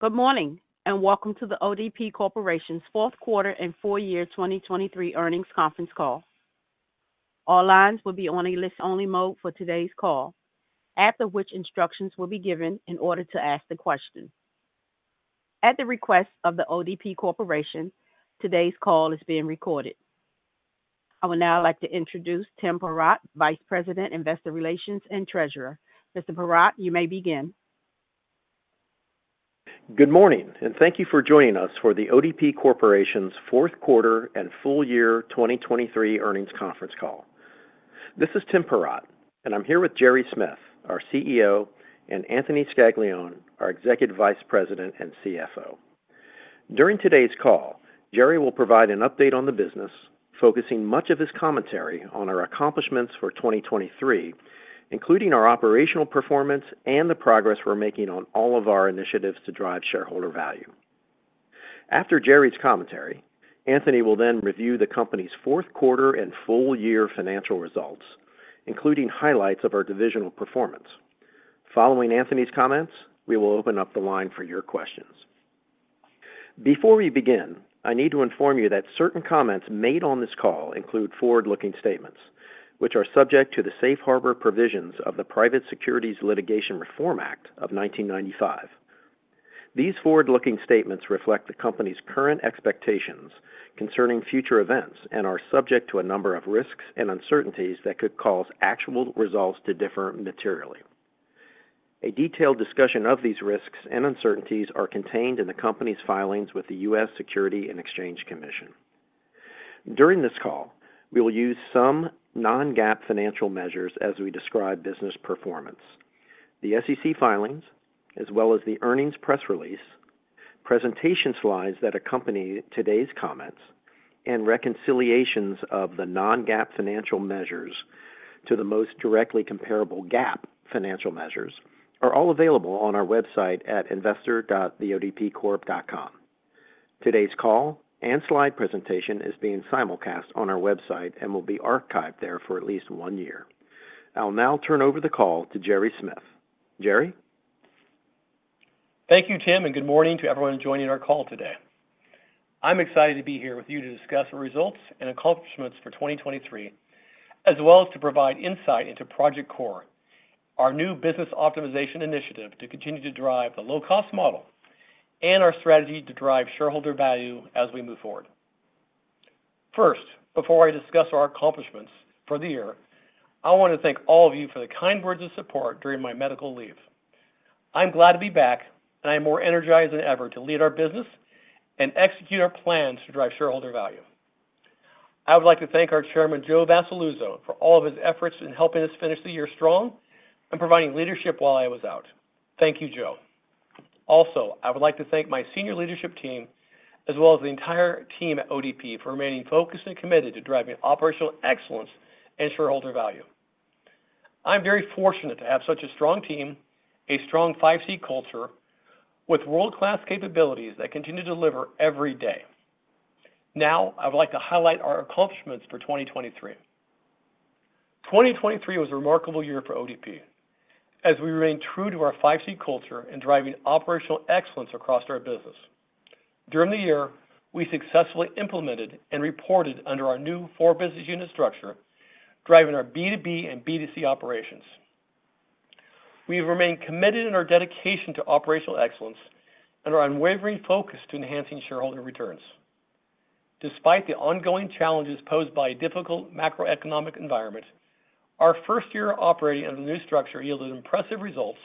Good morning, and welcome to the ODP Corporation's Fourth Quarter and Full Year 2023 Earnings Conference Call. All lines will be on a listen-only mode for today's call, after which instructions will be given in order to ask the question. At the request of the ODP Corporation, today's call is being recorded. I would now like to introduce Tim Perrott, Vice President, Investor Relations and Treasurer. Mr. Perrott, you may begin. Good morning, and thank you for joining us for The ODP Corporation's fourth quarter and full year 2023 earnings conference call. This is Tim Perrott, and I'm here with Gerry Smith, our CEO, and Anthony Scaglione, our Executive Vice President and CFO. During today's call, Gerry will provide an update on the business, focusing much of his commentary on our accomplishments for 2023, including our operational performance and the progress we're making on all of our initiatives to drive shareholder value. After Gerry's commentary, Anthony will then review the company's fourth quarter and full year financial results, including highlights of our divisional performance. Following Anthony's comments, we will open up the line for your questions. Before we begin, I need to inform you that certain comments made on this call include forward-looking statements, which are subject to the safe harbor provisions of the Private Securities Litigation Reform Act of 1995. These forward-looking statements reflect the company's current expectations concerning future events and are subject to a number of risks and uncertainties that could cause actual results to differ materially. A detailed discussion of these risks and uncertainties are contained in the company's filings with the U.S. Securities and Exchange Commission. During this call, we will use some non-GAAP financial measures as we describe business performance. The SEC filings, as well as the earnings press release, presentation slides that accompany today's comments, and reconciliations of the non-GAAP financial measures to the most directly comparable GAAP financial measures, are all available on our website at investor.theodpcorp.com. Today's call and slide presentation is being simulcast on our website and will be archived there for at least one year. I'll now turn over the call to Gerry Smith. Gerry? Thank you, Tim, and good morning to everyone joining our call today. I'm excited to be here with you to discuss the results and accomplishments for 2023, as well as to provide insight into Project Core, our new business optimization initiative, to continue to drive the low-cost model and our strategy to drive shareholder value as we move forward. First, before I discuss our accomplishments for the year, I want to thank all of you for the kind words of support during my medical leave. I'm glad to be back, and I am more energized than ever to lead our business and execute our plans to drive shareholder value. I would like to thank our chairman, Joe Vassalluzzo, for all of his efforts in helping us finish the year strong and providing leadership while I was out. Thank you, Joe. Also, I would like to thank my senior leadership team, as well as the entire team at ODP, for remaining focused and committed to driving operational excellence and shareholder value. I'm very fortunate to have such a strong team, a strong 5C Culture with world-class capabilities that continue to deliver every day. Now, I would like to highlight our accomplishments for 2023. 2023 was a remarkable year for ODP, as we remained true to our 5C Culture in driving operational excellence across our business. During the year, we successfully implemented and reported under our new four business unit structure, driving our B2B and B2C operations. We have remained committed in our dedication to operational excellence and our unwavering focus to enhancing shareholder returns. Despite the ongoing challenges posed by a difficult macroeconomic environment, our first year of operating under the new structure yielded impressive results,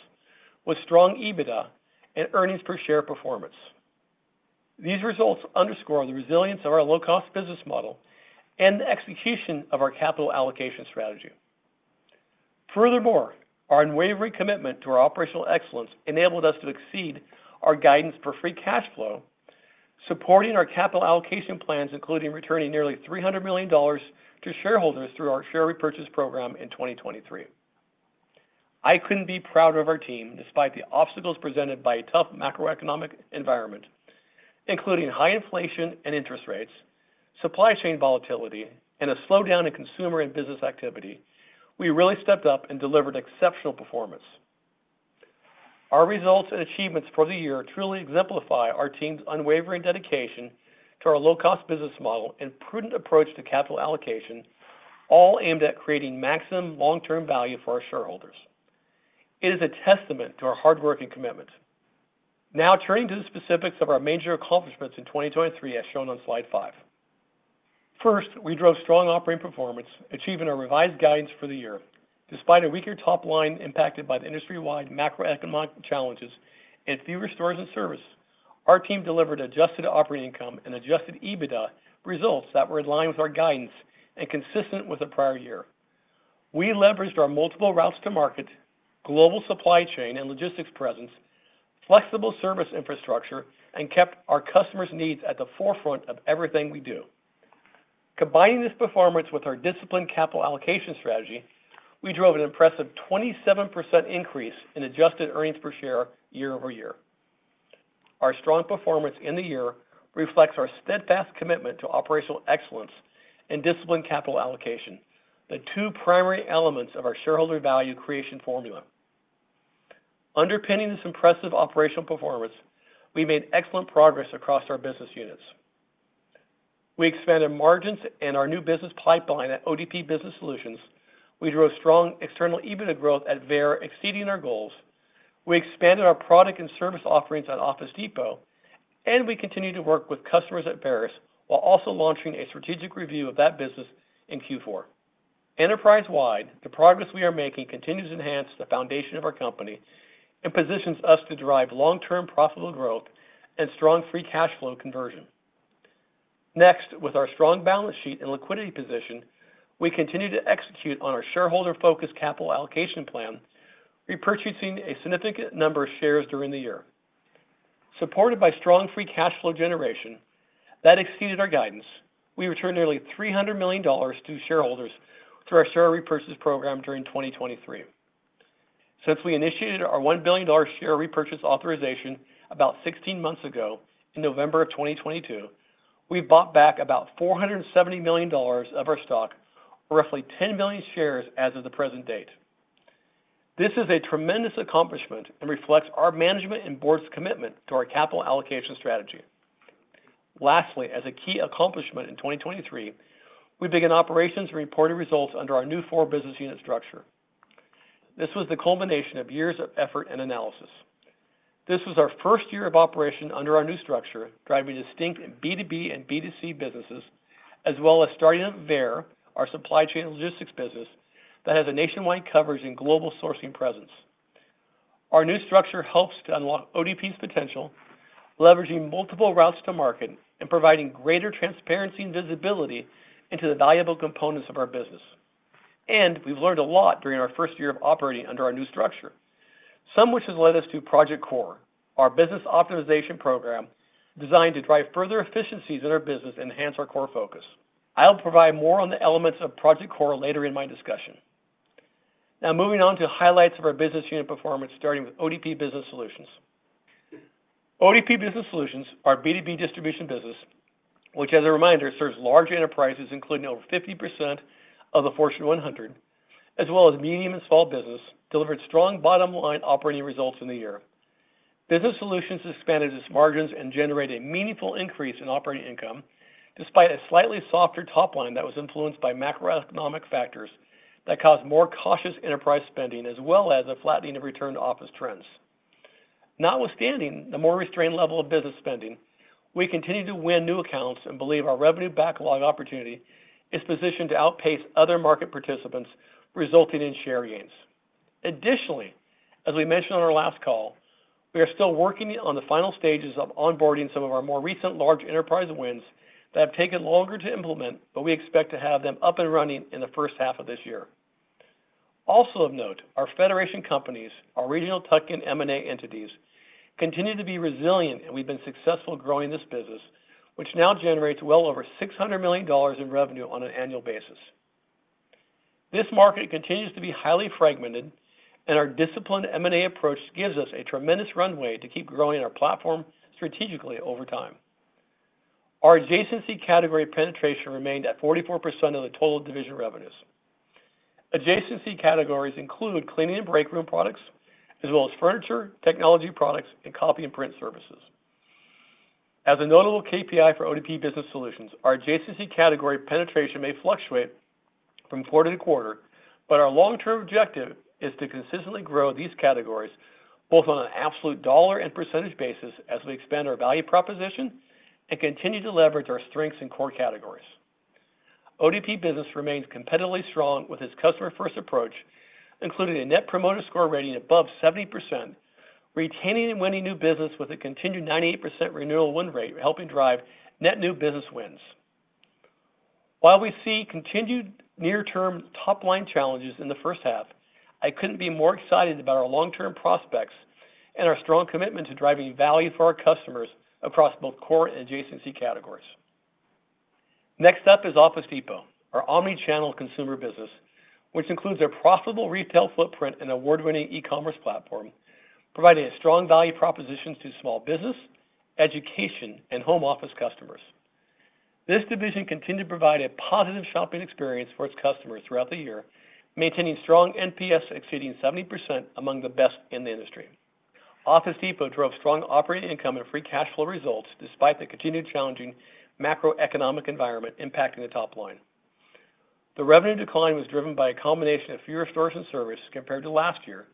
with strong EBITDA and earnings per share performance. These results underscore the resilience of our low-cost business model and the execution of our capital allocation strategy. Furthermore, our unwavering commitment to our operational excellence enabled us to exceed our guidance for free cash flow, supporting our capital allocation plans, including returning nearly $300 million to shareholders through our share repurchase program in 2023. I couldn't be prouder of our team, despite the obstacles presented by a tough macroeconomic environment, including high inflation and interest rates, supply chain volatility, and a slowdown in consumer and business activity. We really stepped up and delivered exceptional performance. Our results and achievements for the year truly exemplify our team's unwavering dedication to our low-cost business model and prudent approach to capital allocation, all aimed at creating maximum long-term value for our shareholders. It is a testament to our hard work and commitment. Now, turning to the specifics of our major accomplishments in 2023, as shown on Slide five. First, we drove strong operating performance, achieving our revised guidance for the year. Despite a weaker top line impacted by the industry-wide macroeconomic challenges and fewer stores and service, our team delivered adjusted operating income and Adjusted EBITDA results that were in line with our guidance and consistent with the prior year. We leveraged our multiple routes to market, global supply chain and logistics presence, flexible service infrastructure, and kept our customers' needs at the forefront of everything we do. Combining this performance with our disciplined capital allocation strategy, we drove an impressive 27% increase in adjusted earnings per share year-over-year. Our strong performance in the year reflects our steadfast commitment to operational excellence and disciplined capital allocation, the two primary elements of our shareholder value creation formula. Underpinning this impressive operational performance, we made excellent progress across our business units. We expanded margins and our new business pipeline at ODP Business Solutions. We drove strong external EBITDA growth at Veyer, exceeding our goals. We expanded our product and service offerings at Office Depot, and we continue to work with customers at Varis, while also launching a strategic review of that business in Q4. Enterprise-wide, the progress we are making continues to enhance the foundation of our company and positions us to derive long-term profitable growth and strong free cash flow conversion. Next, with our strong balance sheet and liquidity position, we continue to execute on our shareholder-focused capital allocation plan, repurchasing a significant number of shares during the year. Supported by strong free cash flow generation that exceeded our guidance, we returned nearly $300 million to shareholders through our share repurchase program during 2023. Since we initiated our $1 billion share repurchase authorization about 16 months ago, in November 2022, we've bought back about $470 million of our stock, or roughly 10 million shares as of the present date. This is a tremendous accomplishment and reflects our management and board's commitment to our capital allocation strategy. Lastly, as a key accomplishment in 2023, we began operations and reported results under our new four business unit structure. This was the culmination of years of effort and analysis. This was our first year of operation under our new structure, driving distinct B2B and B2C businesses, as well as starting up Veyer, our supply chain logistics business, that has a nationwide coverage and global sourcing presence. Our new structure helps to unlock ODP's potential, leveraging multiple routes to market and providing greater transparency and visibility into the valuable components of our business. We've learned a lot during our first year of operating under our new structure, some which has led us to Project Core, our business optimization program, designed to drive further efficiencies in our business and enhance our core focus. I'll provide more on the elements of Project Core later in my discussion. Now, moving on to highlights of our business unit performance, starting with ODP Business Solutions. ODP Business Solutions, our B2B distribution business, which, as a reminder, serves large enterprises, including over 50% of the Fortune 100, as well as medium and small business, delivered strong bottom-line operating results in the year. Business Solutions expanded its margins and generated a meaningful increase in operating income, despite a slightly softer top line that was influenced by macroeconomic factors that caused more cautious enterprise spending, as well as a flattening of return-to-office trends. Notwithstanding the more restrained level of business spending, we continued to win new accounts and believe our revenue backlog opportunity is positioned to outpace other market participants, resulting in share gains. Additionally, as we mentioned on our last call, we are still working on the final stages of onboarding some of our more recent large enterprise wins that have taken longer to implement, but we expect to have them up and running in the first half of this year. Also of note, our Federation Companies, our regional tuck-in M&A entities, continue to be resilient, and we've been successful growing this business, which now generates well over $600 million in revenue on an annual basis. This market continues to be highly fragmented, and our disciplined M&A approach gives us a tremendous runway to keep growing our platform strategically over time. Our Adjacency category penetration remained at 44% of the total division revenues. Adjacency categories include cleaning and break room products, as well as furniture, technology products, and copy and print services. As a notable KPI for ODP Business Solutions, our adjacency category penetration may fluctuate from quarter to quarter, but our long-term objective is to consistently grow these categories, both on an absolute dollar and percentage basis, as we expand our value proposition and continue to leverage our strengths in core categories. ODP Business remains competitively strong with its customer-first approach, including a net promoter score rating above 70%, retaining and winning new business with a continued 98% renewal win rate, helping drive net new business wins. While we see continued near-term top-line challenges in the first half, I couldn't be more excited about our long-term prospects and our strong commitment to driving value for our customers across both core and adjacency categories. Next up is Office Depot, our omnichannel consumer business, which includes a profitable retail footprint and award-winning e-commerce platform, providing a strong value proposition to small business, education, and home office customers. This division continued to provide a positive shopping experience for its customers throughout the year, maintaining strong NPS, exceeding 70%, among the best in the industry. Office Depot drove strong operating income and free cash flow results, despite the continued challenging macroeconomic environment impacting the top line. The revenue decline was driven by a combination of fewer stores and service compared to last year,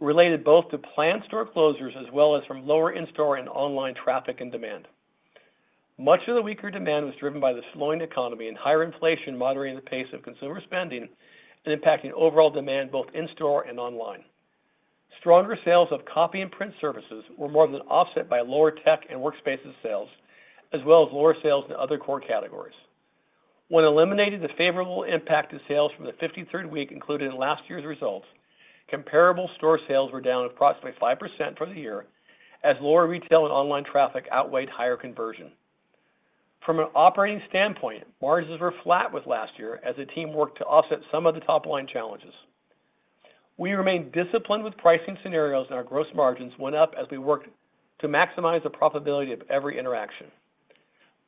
related both to planned store closures as well as from lower in-store and online traffic and demand. Much of the weaker demand was driven by the slowing economy and higher inflation, moderating the pace of consumer spending and impacting overall demand both in-store and online. Stronger sales of copy and print services were more than offset by lower tech and workspaces sales, as well as lower sales in other core categories. When eliminating the favorable impact of sales from the 53rd week included in last year's results, comparable store sales were down approximately 5% for the year, as lower retail and online traffic outweighed higher conversion. From an operating standpoint, margins were flat with last year as the team worked to offset some of the top-line challenges. We remain disciplined with pricing scenarios, and our gross margins went up as we worked to maximize the profitability of every interaction.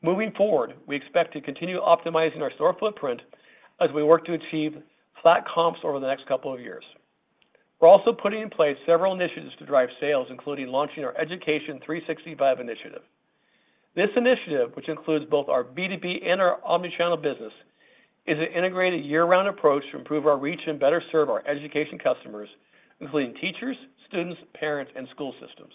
Moving forward, we expect to continue optimizing our store footprint as we work to achieve flat comps over the next couple of years. We're also putting in place several initiatives to drive sales, including launching our Education 365 initiative. This initiative, which includes both our B2B and our omni-channel business, is an integrated year-round approach to improve our reach and better serve our education customers, including teachers, students, parents, and school systems.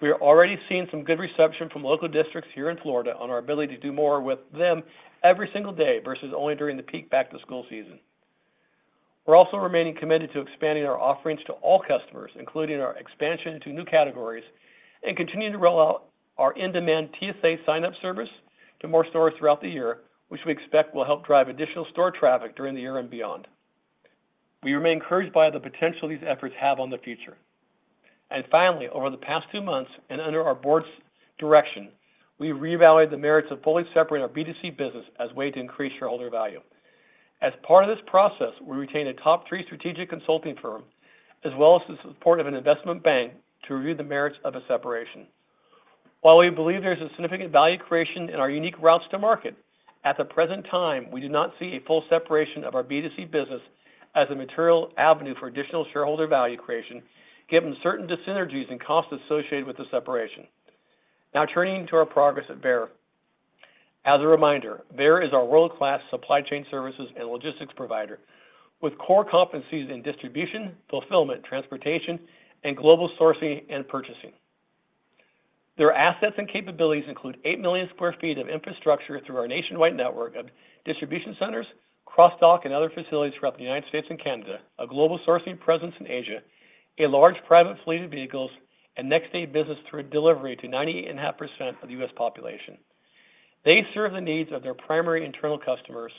We are already seeing some good reception from local districts here in Florida on our ability to do more with them every single day versus only during the peak back-to-school season. We're also remaining committed to expanding our offerings to all customers, including our expansion to new categories, and continuing to roll out our in-demand TSA signup service to more stores throughout the year, which we expect will help drive additional store traffic during the year and beyond. We remain encouraged by the potential these efforts have on the future. Finally, over the past two months, and under our board's direction, we reevaluated the merits of fully separating our B2C business as a way to increase shareholder value. As part of this process, we retained a top three strategic consulting firm, as well as the support of an investment bank, to review the merits of a separation. While we believe there's a significant value creation in our unique routes to market, at the present time, we do not see a full separation of our B2C business as a material avenue for additional shareholder value creation, given certain dyssynergies and costs associated with the separation. Now turning to our progress at Veyer. As a reminder, Veyer is our world-class supply chain services and logistics provider, with core competencies in distribution, fulfillment, transportation, and global sourcing and purchasing. Their assets and capabilities include eight million sq ft of infrastructure through our nationwide network of distribution centers, cross dock, and other facilities throughout the United States and Canada, a global sourcing presence in Asia, a large private fleet of vehicles, and next-day business through delivery to 98.5% of the U.S. population. They serve the needs of their primary internal customers,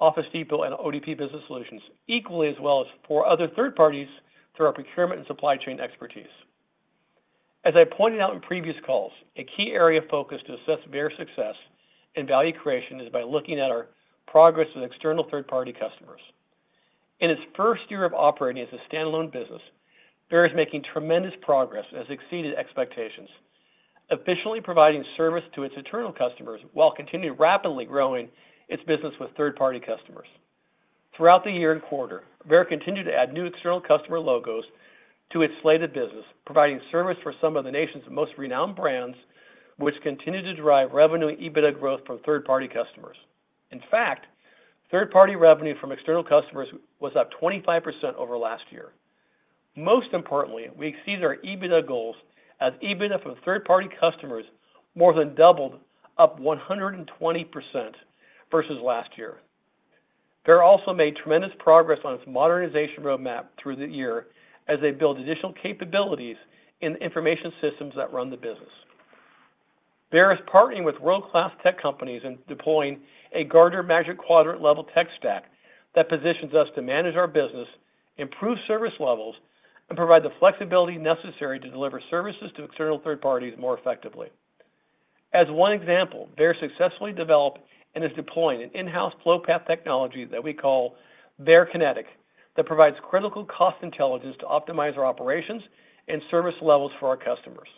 Office Depot and ODP Business Solutions, equally as well as for other third parties through our procurement and supply chain expertise. As I pointed out in previous calls, a key area of focus to assess Veyer's success and value creation is by looking at our progress with external third-party customers. In its first year of operating as a standalone business, Veyer is making tremendous progress and has exceeded expectations, officially providing service to its internal customers while continuing rapidly growing its business with third-party customers. Throughout the year and quarter, Veyer continued to add new external customer logos to its slated business, providing service for some of the nation's most renowned brands, which continued to drive revenue and EBITDA growth from third-party customers. In fact, third-party revenue from external customers was up 25% over last year. Most importantly, we exceeded our EBITDA goals, as EBITDA from third-party customers more than doubled, up 120% versus last year. Veyer also made tremendous progress on its modernization roadmap through the year as they built additional capabilities in the information systems that run the business. Veyer is partnering with world-class tech companies in deploying a Gartner Magic Quadrant-level tech stack that positions us to manage our business, improve service levels, and provide the flexibility necessary to deliver services to external third parties more effectively. As one example, Veyer successfully developed and is deploying an in-house flow path technology that we call Veyer Kinetic, that provides critical cost intelligence to optimize our operations and service levels for our customers.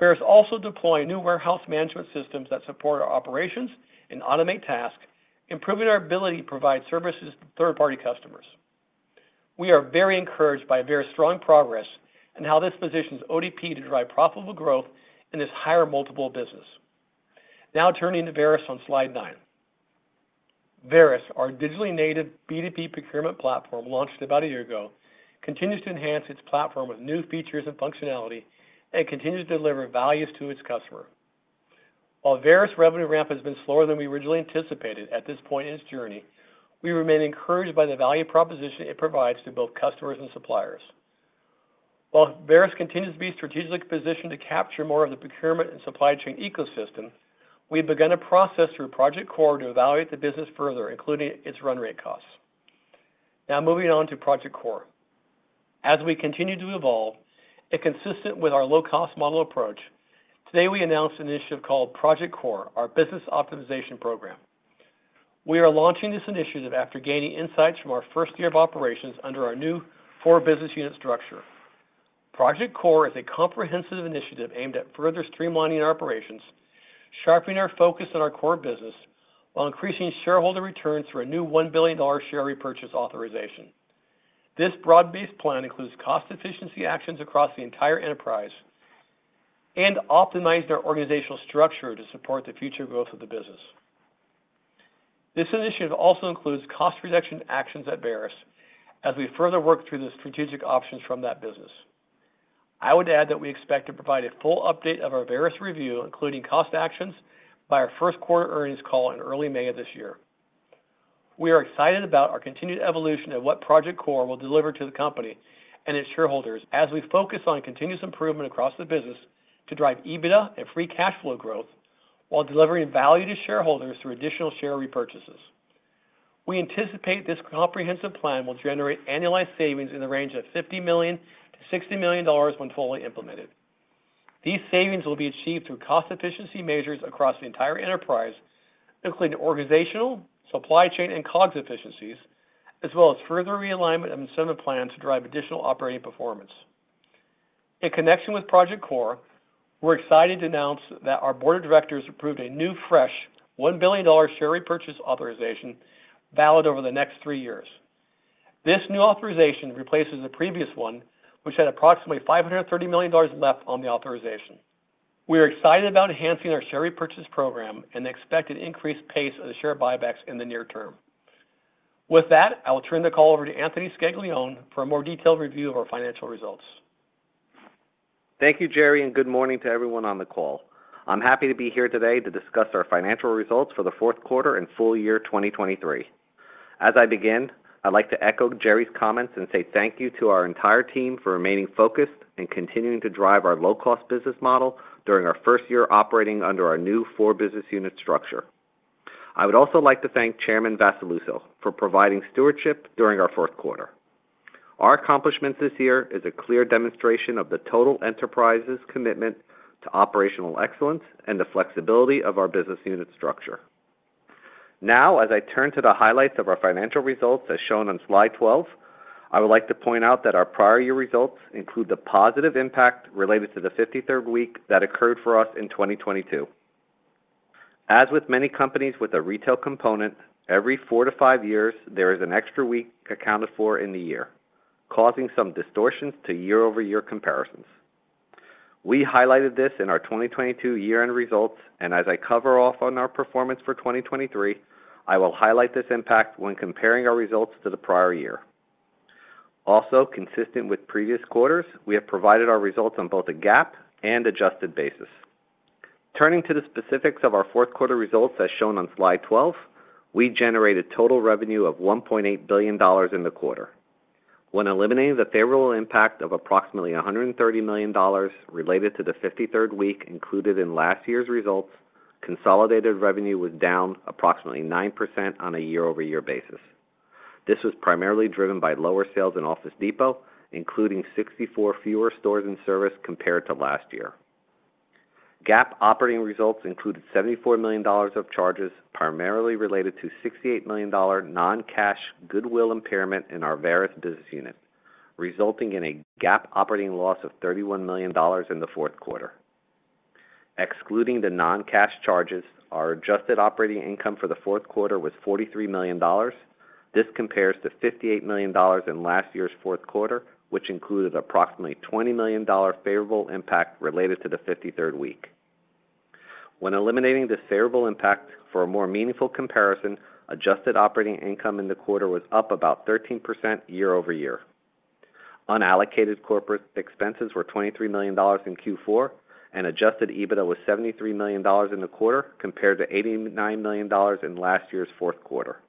Veyer also deployed new warehouse management systems that support our operations and automate tasks, improving our ability to provide services to third-party customers. We are very encouraged by Veyer's strong progress and how this positions ODP to drive profitable growth in this higher multiple business. Now turning to Veyer on Slide nine. Veyer, our digitally native B2B procurement platform, launched about a year ago, continues to enhance its platform with new features and functionality and continues to deliver values to its customer. While Veyer's revenue ramp has been slower than we originally anticipated at this point in its journey, we remain encouraged by the value proposition it provides to both customers and suppliers. While Veyer continues to be strategically positioned to capture more of the procurement and supply chain ecosystem, we've begun a process through Project Core to evaluate the business further, including its run rate costs. Now moving on to Project Core. As we continue to evolve, and consistent with our low-cost model approach, today, we announced an initiative called Project Core, our business optimization program. We are launching this initiative after gaining insights from our first year of operations under our new four business unit structure. Project Core is a comprehensive initiative aimed at further streamlining our operations, sharpening our focus on our core business, while increasing shareholder returns through a new $1 billion share repurchase authorization. This broad-based plan includes cost efficiency actions across the entire enterprise and optimizing our organizational structure to support the future growth of the business. This initiative also includes cost reduction actions at Veyer, as we further work through the strategic options from that business. I would add that we expect to provide a full update of our Veyer review, including cost actions, by our first quarter earnings call in early May of this year. We are excited about our continued evolution of what Project Core will deliver to the company and its shareholders as we focus on continuous improvement across the business to drive EBITDA and free cash flow growth, while delivering value to shareholders through additional share repurchases. We anticipate this comprehensive plan will generate annualized savings in the range of $50 million-$60 million when fully implemented.... These savings will be achieved through cost efficiency measures across the entire enterprise, including organizational, supply chain, and COGS efficiencies, as well as further realignment of incentive plans to drive additional operating performance. In connection with Project Core, we're excited to announce that our board of directors approved a new, fresh $1 billion share repurchase authorization valid over the next three years. This new authorization replaces the previous one, which had approximately $530 million left on the authorization. We are excited about enhancing our share repurchase program and expect an increased pace of the share buybacks in the near term. With that, I will turn the call over to Anthony Scaglione for a more detailed review of our financial results. Thank you, Gerry, and good morning to everyone on the call. I'm happy to be here today to discuss our financial results for the fourth quarter and full year 2023. As I begin, I'd like to echo Gerry's comments and say thank you to our entire team for remaining focused and continuing to drive our low-cost business model during our first year operating under our new four business unit structure. I would also like to thank Chairman Vassalluzzo for providing stewardship during our fourth quarter. Our accomplishments this year is a clear demonstration of the total enterprise's commitment to operational excellence and the flexibility of our business unit structure. Now, as I turn to the highlights of our financial results, as shown on Slide 12, I would like to point out that our prior year results include the positive impact related to the 53rd week that occurred for us in 2022. As with many companies with a retail component, every four to five years, there is an extra week accounted for in the year, causing some distortions to year-over-year comparisons. We highlighted this in our 2022 year-end results, and as I cover off on our performance for 2023, I will highlight this impact when comparing our results to the prior year. Also, consistent with previous quarters, we have provided our results on both a GAAP and adjusted basis. Turning to the specifics of our fourth quarter results, as shown on Slide 12, we generated total revenue of $1.8 billion in the quarter. When eliminating the favorable impact of approximately $130 million related to the 53rd week included in last year's results, consolidated revenue was down approximately 9% on a year-over-year basis. This was primarily driven by lower sales in Office Depot, including 64 fewer stores and service compared to last year. GAAP operating results included $74 million of charges, primarily related to $68 million non-cash goodwill impairment in our Veyer business unit, resulting in a GAAP operating loss of $31 million in the fourth quarter. Excluding the non-cash charges, our adjusted operating income for the fourth quarter was $43 million. This compares to $58 million in last year's fourth quarter, which included approximately $20 million favorable impact related to the 53rd week. When eliminating this favorable impact for a more meaningful comparison, adjusted operating income in the quarter was up about 13% year-over-year. Unallocated corporate expenses were $23 million in Q4, and Adjusted EBITDA was $73 million in the quarter, compared to $89 million in last year's fourth quarter.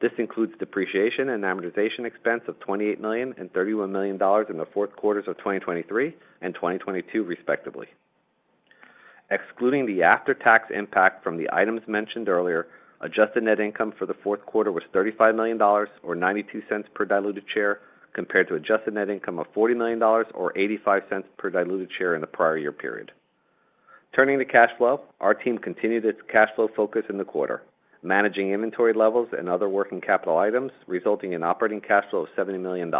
This includes depreciation and amortization expense of $28 million and $31 million in the fourth quarters of 2023 and 2022, respectively. Excluding the after-tax impact from the items mentioned earlier, adjusted net income for the fourth quarter was $35 million, or $0.92 per diluted share, compared to adjusted net income of $40 million, or $0.85 per diluted share in the prior year period. Turning to cash flow, our team continued its cash flow focus in the quarter, managing inventory levels and other working capital items, resulting in operating cash flow of $70 million.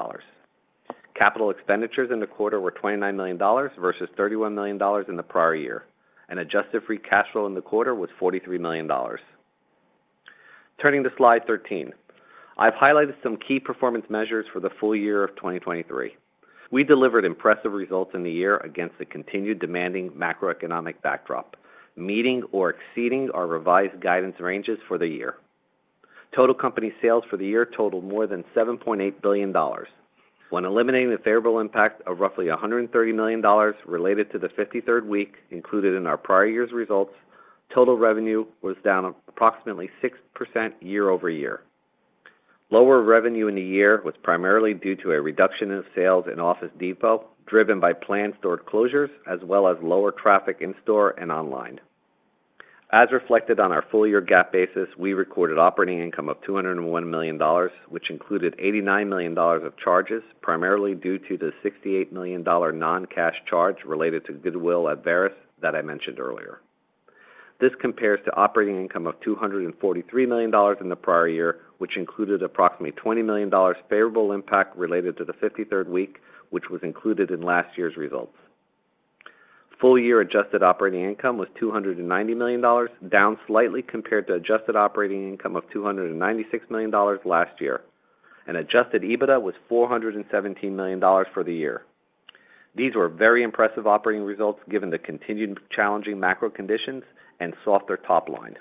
Capital expenditures in the quarter were $29 million versus $31 million in the prior year, and adjusted free cash flow in the quarter was $43 million. Turning to Slide 13. I've highlighted some key performance measures for the full year of 2023. We delivered impressive results in the year against the continued demanding macroeconomic backdrop, meeting or exceeding our revised guidance ranges for the year. Total company sales for the year totaled more than $7.8 billion. When eliminating the favorable impact of roughly $130 million related to the 53rd week included in our prior year's results, total revenue was down approximately 6% year-over-year. Lower revenue in the year was primarily due to a reduction in sales in Office Depot, driven by planned store closures, as well as lower traffic in store and online. As reflected on our full-year GAAP basis, we recorded operating income of $201 million, which included $89 million of charges, primarily due to the $68 million non-cash charge related to goodwill at Varis that I mentioned earlier. This compares to operating income of $243 million in the prior year, which included approximately $20 million favorable impact related to the 53rd week, which was included in last year's results. Full-year adjusted operating income was $290 million, down slightly compared to adjusted operating income of $296 million last year, and Adjusted EBITDA was $417 million for the year. These were very impressive operating results, given the continued challenging macro conditions and softer top line.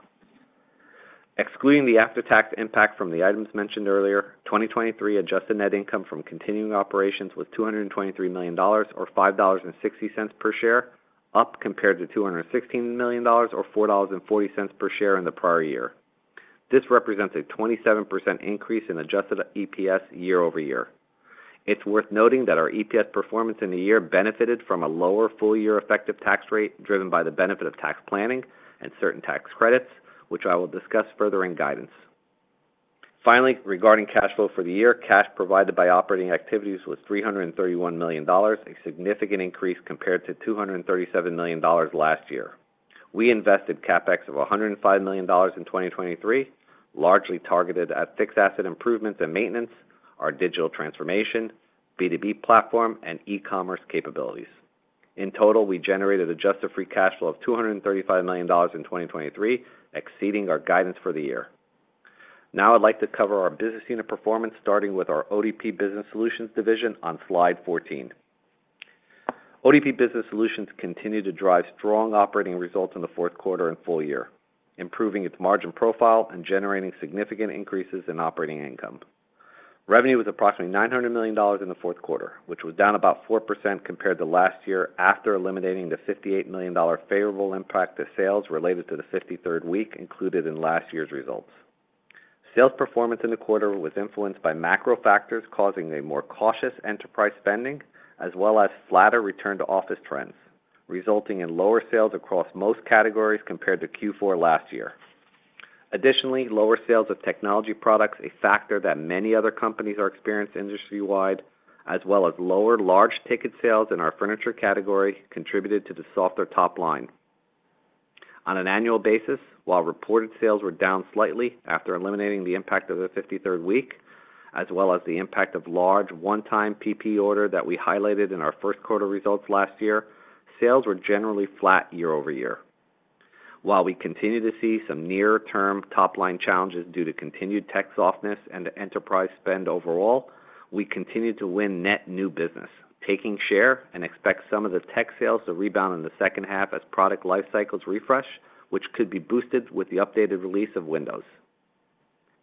Excluding the after-tax impact from the items mentioned earlier, 2023 adjusted net income from continuing operations was $223 million or $5.60 per share, up compared to $216 million or $4.40 per share in the prior year. This represents a 27% increase in Adjusted EPS year-over-year. It's worth noting that our EPS performance in the year benefited from a lower full year effective tax rate, driven by the benefit of tax planning and certain tax credits, which I will discuss further in guidance. Finally, regarding cash flow for the year, cash provided by operating activities was $331 million, a significant increase compared to $237 million last year. We invested CapEx of $105 million in 2023, largely targeted at fixed asset improvements and maintenance, our digital transformation, B2B platform, and e-commerce capabilities. In total, we generated adjusted free cash flow of $235 million in 2023, exceeding our guidance for the year. Now I'd like to cover our business unit performance, starting with our ODP Business Solutions division on Slide 14. ODP Business Solutions continued to drive strong operating results in the fourth quarter and full year, improving its margin profile and generating significant increases in operating income. Revenue was approximately $900 million in the fourth quarter, which was down about 4% compared to last year, after eliminating the $58 million favorable impact to sales related to the 53rd week included in last year's results. Sales performance in the quarter was influenced by macro factors, causing a more cautious enterprise spending, as well as flatter return to office trends, resulting in lower sales across most categories compared to Q4 last year. Additionally, lower sales of technology products, a factor that many other companies are experiencing industry-wide, as well as lower large-ticket sales in our furniture category, contributed to the softer top line. On an annual basis, while reported sales were down slightly after eliminating the impact of the 53rd week, as well as the impact of large one-time PPE order that we highlighted in our first quarter results last year, sales were generally flat year-over-year. While we continue to see some near-term top-line challenges due to continued tech softness and enterprise spend overall, we continue to win net new business, taking share and expect some of the tech sales to rebound in the second half as product life cycles refresh, which could be boosted with the updated release of Windows.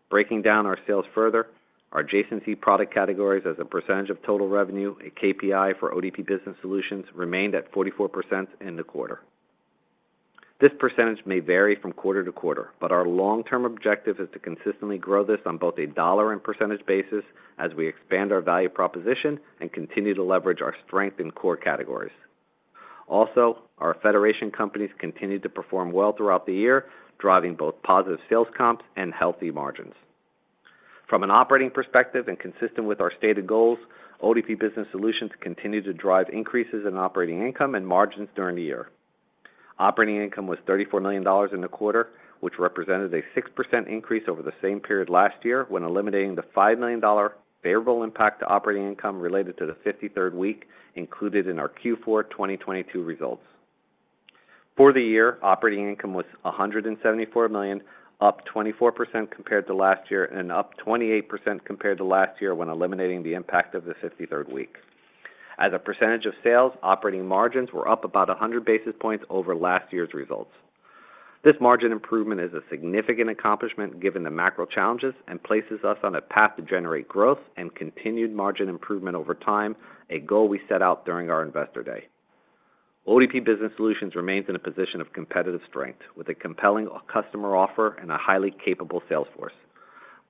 Breaking down our sales further, our Adjacency Categories as a percentage of total revenue, a KPI for ODP Business Solutions, remained at 44% in the quarter. This percentage may vary from quarter to quarter, but our long-term objective is to consistently grow this on both a dollar and percentage basis as we expand our value proposition and continue to leverage our strength in core categories. Also, our Federation Companies continued to perform well throughout the year, driving both positive sales comps and healthy margins. From an operating perspective and consistent with our stated goals, ODP Business Solutions continued to drive increases in operating income and margins during the year. Operating income was $34 million in the quarter, which represented a 6% increase over the same period last year, when eliminating the $5 million favorable impact to operating income related to the 53rd week, included in our Q4 2022 results. For the year, operating income was $174 million, up 24% compared to last year, and up 28% compared to last year when eliminating the impact of the 53rd week. As a percentage of sales, operating margins were up about 100 basis points over last year's results. This margin improvement is a significant accomplishment, given the macro challenges, and places us on a path to generate growth and continued margin improvement over time, a goal we set out during our Investor Day. ODP Business Solutions remains in a position of competitive strength, with a compelling customer offer and a highly capable sales force.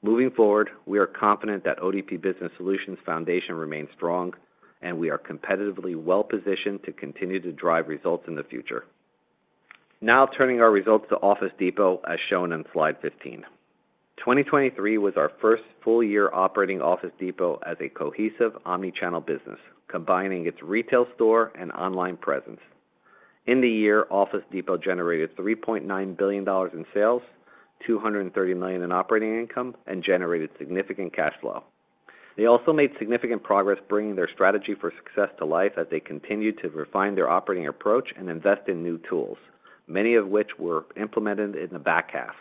Moving forward, we are confident that ODP Business Solutions foundation remains strong and we are competitively well positioned to continue to drive results in the future. Now turning our results to Office Depot, as shown on Slide 15. 2023 was our first full year operating Office Depot as a cohesive omni-channel business, combining its retail store and online presence. In the year, Office Depot generated $3.9 billion in sales, $230 million in operating income, and generated significant cash flow. They also made significant progress bringing their strategy for success to life as they continued to refine their operating approach and invest in new tools, many of which were implemented in the back half.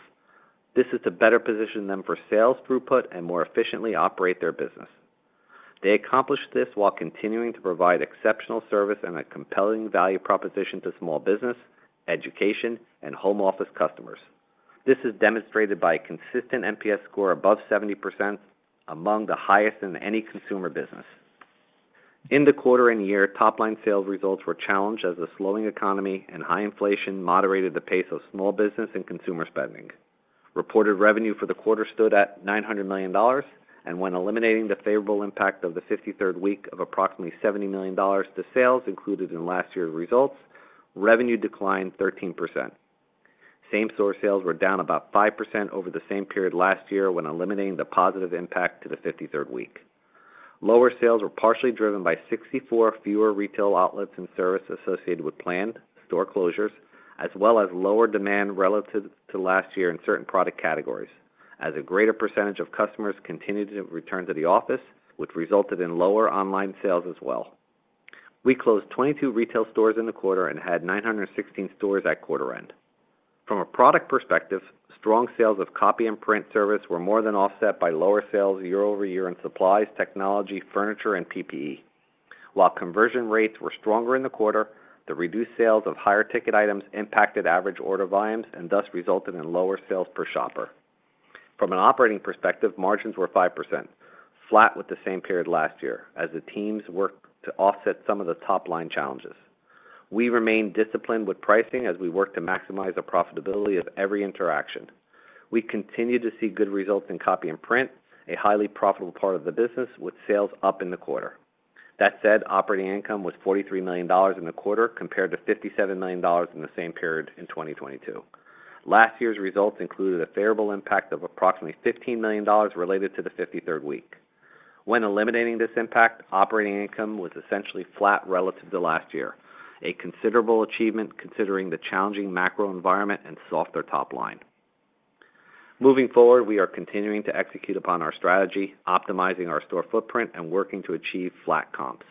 This is to better position them for sales throughput and more efficiently operate their business. They accomplished this while continuing to provide exceptional service and a compelling value proposition to small business, education, and home office customers. This is demonstrated by a consistent NPS score above 70%, among the highest in any consumer business. In the quarter and year, top-line sales results were challenged as the slowing economy and high inflation moderated the pace of small business and consumer spending. Reported revenue for the quarter stood at $900 million, and when eliminating the favorable impact of the 53rd week of approximately $70 million to sales included in last year's results, revenue declined 13%. Same-store sales were down about 5% over the same period last year when eliminating the positive impact to the 53rd week. Lower sales were partially driven by 64 fewer retail outlets and services associated with planned store closures, as well as lower demand relative to last year in certain product categories, as a greater percentage of customers continued to return to the office, which resulted in lower online sales as well. We closed 22 retail stores in the quarter and had 916 stores at quarter end. From a product perspective, strong sales of copy and print service were more than offset by lower sales year-over-year in supplies, technology, furniture, and PPE. While conversion rates were stronger in the quarter, the reduced sales of higher-ticket items impacted average order volumes and thus resulted in lower sales per shopper. From an operating perspective, margins were 5%, flat with the same period last year as the teams worked to offset some of the top-line challenges. We remain disciplined with pricing as we work to maximize the profitability of every interaction. We continue to see good results in copy and print, a highly profitable part of the business, with sales up in the quarter.... That said, operating income was $43 million in the quarter, compared to $57 million in the same period in 2022. Last year's results included a favorable impact of approximately $15 million related to the 53rd week. When eliminating this impact, operating income was essentially flat relative to last year, a considerable achievement, considering the challenging macro environment and softer top line. Moving forward, we are continuing to execute upon our strategy, optimizing our store footprint, and working to achieve flat comps.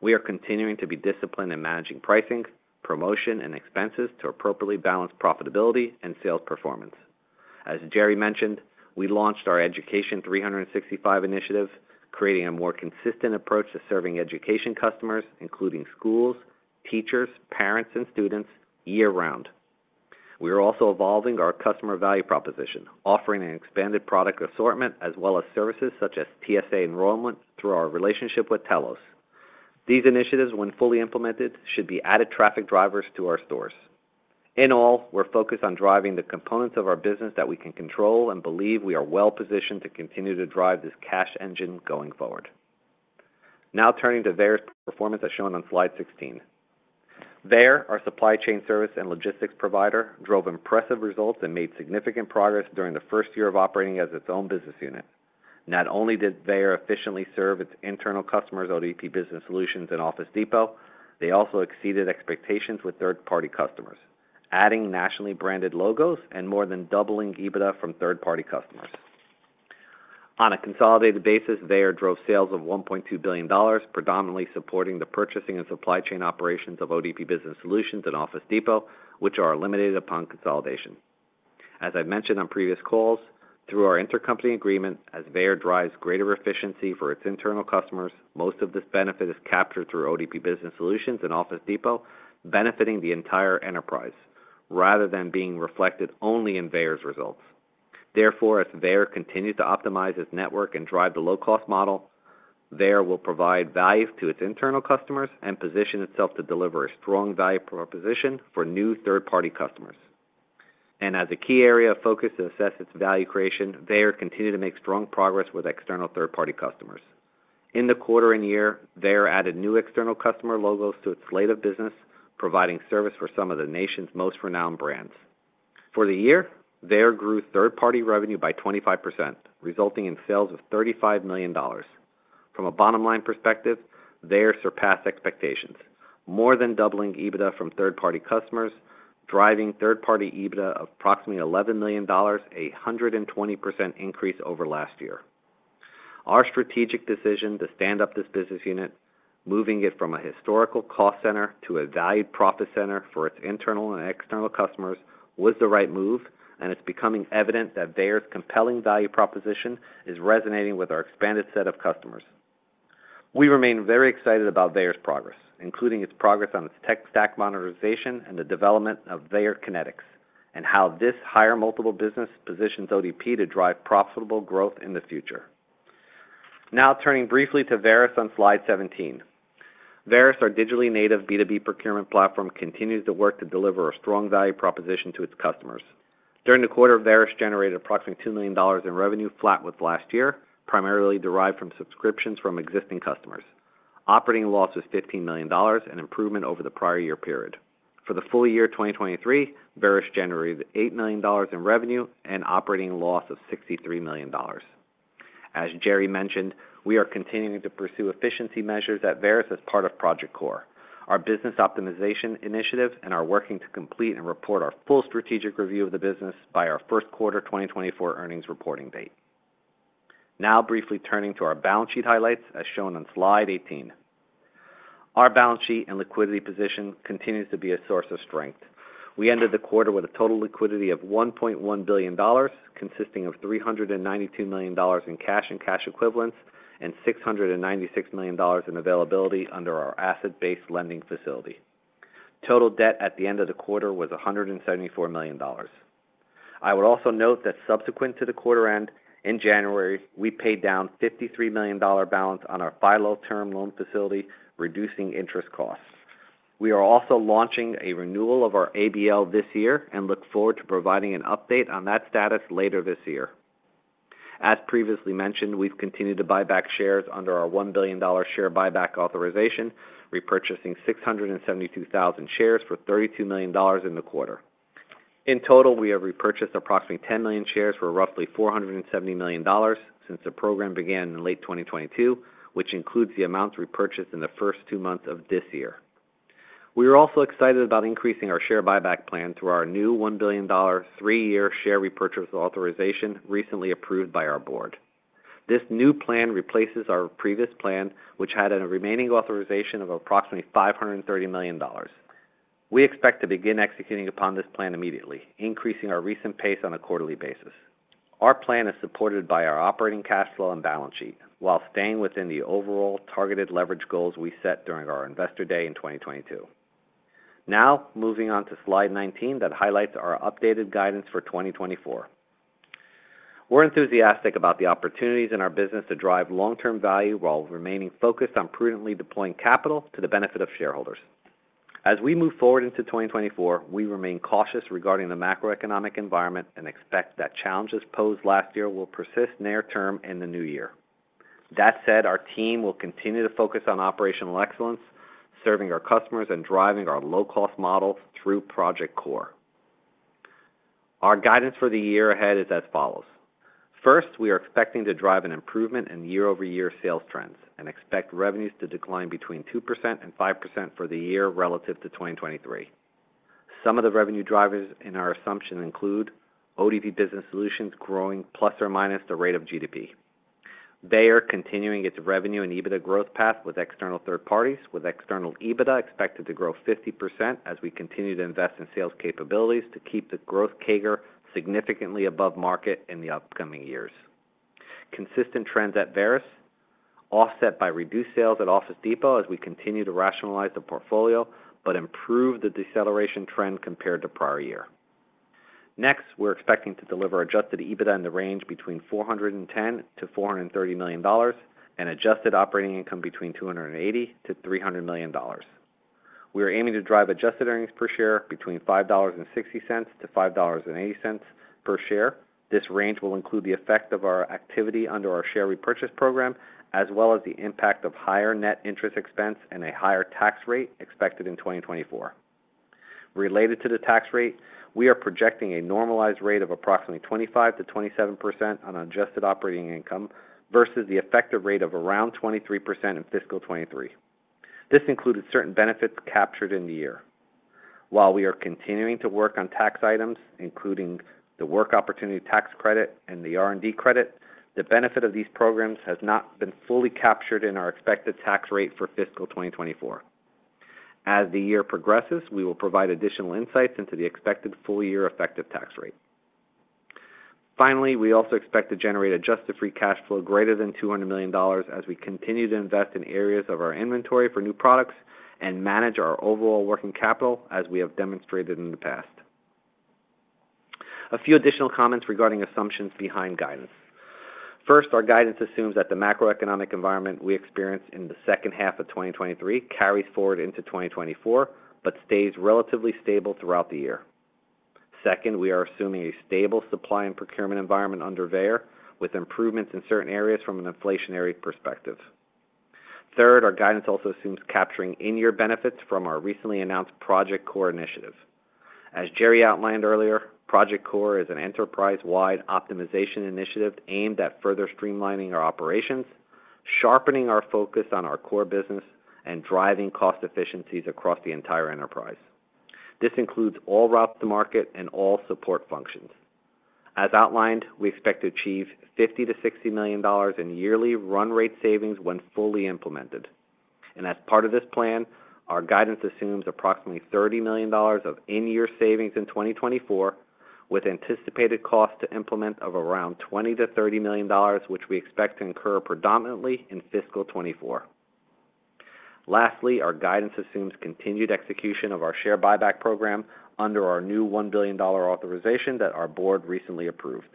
We are continuing to be disciplined in managing pricing, promotion, and expenses to appropriately balance profitability and sales performance. As Gerry mentioned, we launched our Education 365 initiative, creating a more consistent approach to serving education customers, including schools, teachers, parents, and students year-round. We are also evolving our customer value proposition, offering an expanded product assortment, as well as services such as TSA enrollment through our relationship with Telos. These initiatives, when fully implemented, should be added traffic drivers to our stores. In all, we're focused on driving the components of our business that we can control and believe we are well-positioned to continue to drive this cash engine going forward. Now turning to Veyer's performance, as shown on Slide 16. Veyer, our supply chain service and logistics provider, drove impressive results and made significant progress during the first year of operating as its own business unit. Not only did Veyer efficiently serve its internal customers, ODP Business Solutions and Office Depot, they also exceeded expectations with third-party customers, adding nationally branded logos and more than doubling EBITDA from third-party customers. On a consolidated basis, Veyer drove sales of $1.2 billion, predominantly supporting the purchasing and supply chain operations of ODP Business Solutions and Office Depot, which are eliminated upon consolidation. As I mentioned on previous calls, through our intercompany agreement, as Veyer drives greater efficiency for its internal customers, most of this benefit is captured through ODP Business Solutions and Office Depot, benefiting the entire enterprise, rather than being reflected only in Veyer's results. Therefore, as Veyer continues to optimize its network and drive the low-cost model, Veyer will provide value to its internal customers and position itself to deliver a strong value proposition for new third-party customers. As a key area of focus to assess its value creation, Veyer continued to make strong progress with external third-party customers. In the quarter and year, Veyer added new external customer logos to its slate of business, providing service for some of the nation's most renowned brands. For the year, Veyer grew third-party revenue by 25%, resulting in sales of $35 million. From a bottom-line perspective, Veyer surpassed expectations, more than doubling EBITDA from third-party customers, driving third-party EBITDA of approximately $11 million, 120% increase over last year. Our strategic decision to stand up this business unit, moving it from a historical cost center to a valued profit center for its internal and external customers, was the right move, and it's becoming evident that Veyer's compelling value proposition is resonating with our expanded set of customers. We remain very excited about Veyer's progress, including its progress on its tech stack monetization and the development of Veyer Kinetic, and how this higher-multiple business positions ODP to drive profitable growth in the future. Now turning briefly to Varis on Slide 17. Varis, our digitally native B2B procurement platform, continues to work to deliver a strong value proposition to its customers. During the quarter, Veyer generated approximately $2 million in revenue, flat with last year, primarily derived from subscriptions from existing customers. Operating loss was $15 million, an improvement over the prior year period. For the full year 2023, Veyer generated $8 million in revenue and operating loss of $63 million. As Gerry mentioned, we are continuing to pursue efficiency measures at Veyer as part of Project Core, our business optimization initiative, and are working to complete and report our full strategic review of the business by our first quarter 2024 earnings reporting date. Now briefly turning to our balance sheet highlights, as shown on Slide 18. Our balance sheet and liquidity position continues to be a source of strength. We ended the quarter with a total liquidity of $1.1 billion, consisting of $392 million in cash and cash equivalents, and $696 million in availability under our asset-based lending facility. Total debt at the end of the quarter was $174 million. I would also note that subsequent to the quarter end, in January, we paid down $53 million dollar balance on our FILO term loan facility, reducing interest costs. We are also launching a renewal of our ABL this year and look forward to providing an update on that status later this year. As previously mentioned, we've continued to buy back shares under our $1 billion share buyback authorization, repurchasing 672,000 shares for $32 million in the quarter. In total, we have repurchased approximately 10 million shares for roughly $470 million since the program began in late 2022, which includes the amounts repurchased in the first two months of this year. We are also excited about increasing our share buyback plan through our new $1 billion, three-year share repurchase authorization, recently approved by our board. This new plan replaces our previous plan, which had a remaining authorization of approximately $530 million. We expect to begin executing upon this plan immediately, increasing our recent pace on a quarterly basis. Our plan is supported by our operating cash flow and balance sheet, while staying within the overall targeted leverage goals we set during our Investor Day in 2022. Now, moving on to Slide 19, that highlights our updated guidance for 2024. We're enthusiastic about the opportunities in our business to drive long-term value while remaining focused on prudently deploying capital to the benefit of shareholders... As we move forward into 2024, we remain cautious regarding the macroeconomic environment and expect that challenges posed last year will persist near term in the new year. That said, our team will continue to focus on operational excellence, serving our customers, and driving our low-cost model through Project Core. Our guidance for the year ahead is as follows: First, we are expecting to drive an improvement in year-over-year sales trends and expect revenues to decline between 2% and 5% for the year relative to 2023. Some of the revenue drivers in our assumption include ODP Business Solutions growing plus or minus the rate of GDP. They are continuing its revenue and EBITDA growth path with external third parties, with external EBITDA expected to grow 50% as we continue to invest in sales capabilities to keep the growth CAGR significantly above market in the upcoming years. Consistent trends at Veyer, offset by reduced sales at Office Depot as we continue to rationalize the portfolio, but improve the deceleration trend compared to prior year. Next, we're expecting to deliver Adjusted EBITDA in the range between $410 million-$430 million and adjusted operating income between $280 million-$300 million. We are aiming to drive adjusted earnings per share between $5.60 and $5.80 per share. This range will include the effect of our activity under our share repurchase program, as well as the impact of higher net interest expense and a higher tax rate expected in 2024. Related to the tax rate, we are projecting a normalized rate of approximately 25%-27% on adjusted operating income versus the effective rate of around 23% in fiscal 2023. This included certain benefits captured in the year. While we are continuing to work on tax items, including the Work Opportunity Tax Credit and the R&D credit, the benefit of these programs has not been fully captured in our expected tax rate for fiscal 2024. As the year progresses, we will provide additional insights into the expected full-year effective tax rate. Finally, we also expect to generate adjusted free cash flow greater than $200 million as we continue to invest in areas of our inventory for new products and manage our overall working capital, as we have demonstrated in the past. A few additional comments regarding assumptions behind guidance. First, our guidance assumes that the macroeconomic environment we experienced in the second half of 2023 carries forward into 2024, but stays relatively stable throughout the year. Second, we are assuming a stable supply and procurement environment under Veyer, with improvements in certain areas from an inflationary perspective. Third, our guidance also assumes capturing in-year benefits from our recently announced Project Core initiative. As Gerry outlined earlier, Project Core is an enterprise-wide optimization initiative aimed at further streamlining our operations, sharpening our focus on our core business, and driving cost efficiencies across the entire enterprise. This includes all routes to market and all support functions. As outlined, we expect to achieve $50 million-$60 million in yearly run rate savings when fully implemented. As part of this plan, our guidance assumes approximately $30 million of in-year savings in 2024, with anticipated costs to implement of around $20 million-$30 million, which we expect to incur predominantly in fiscal 2024. Lastly, our guidance assumes continued execution of our share buyback program under our new $1 billion authorization that our board recently approved.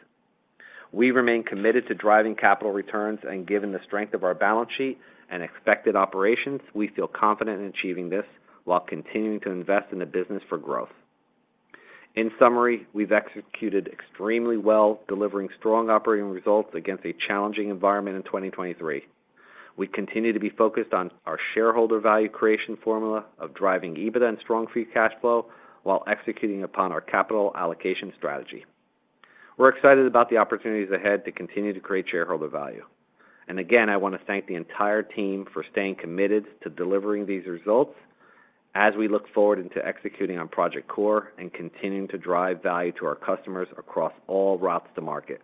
We remain committed to driving capital returns, and given the strength of our balance sheet and expected operations, we feel confident in achieving this while continuing to invest in the business for growth. In summary, we've executed extremely well, delivering strong operating results against a challenging environment in 2023. We continue to be focused on our shareholder value creation formula of driving EBITDA and strong free cash flow while executing upon our capital allocation strategy. We're excited about the opportunities ahead to continue to create shareholder value. Again, I want to thank the entire team for staying committed to delivering these results as we look forward into executing on Project Core and continuing to drive value to our customers across all routes to market.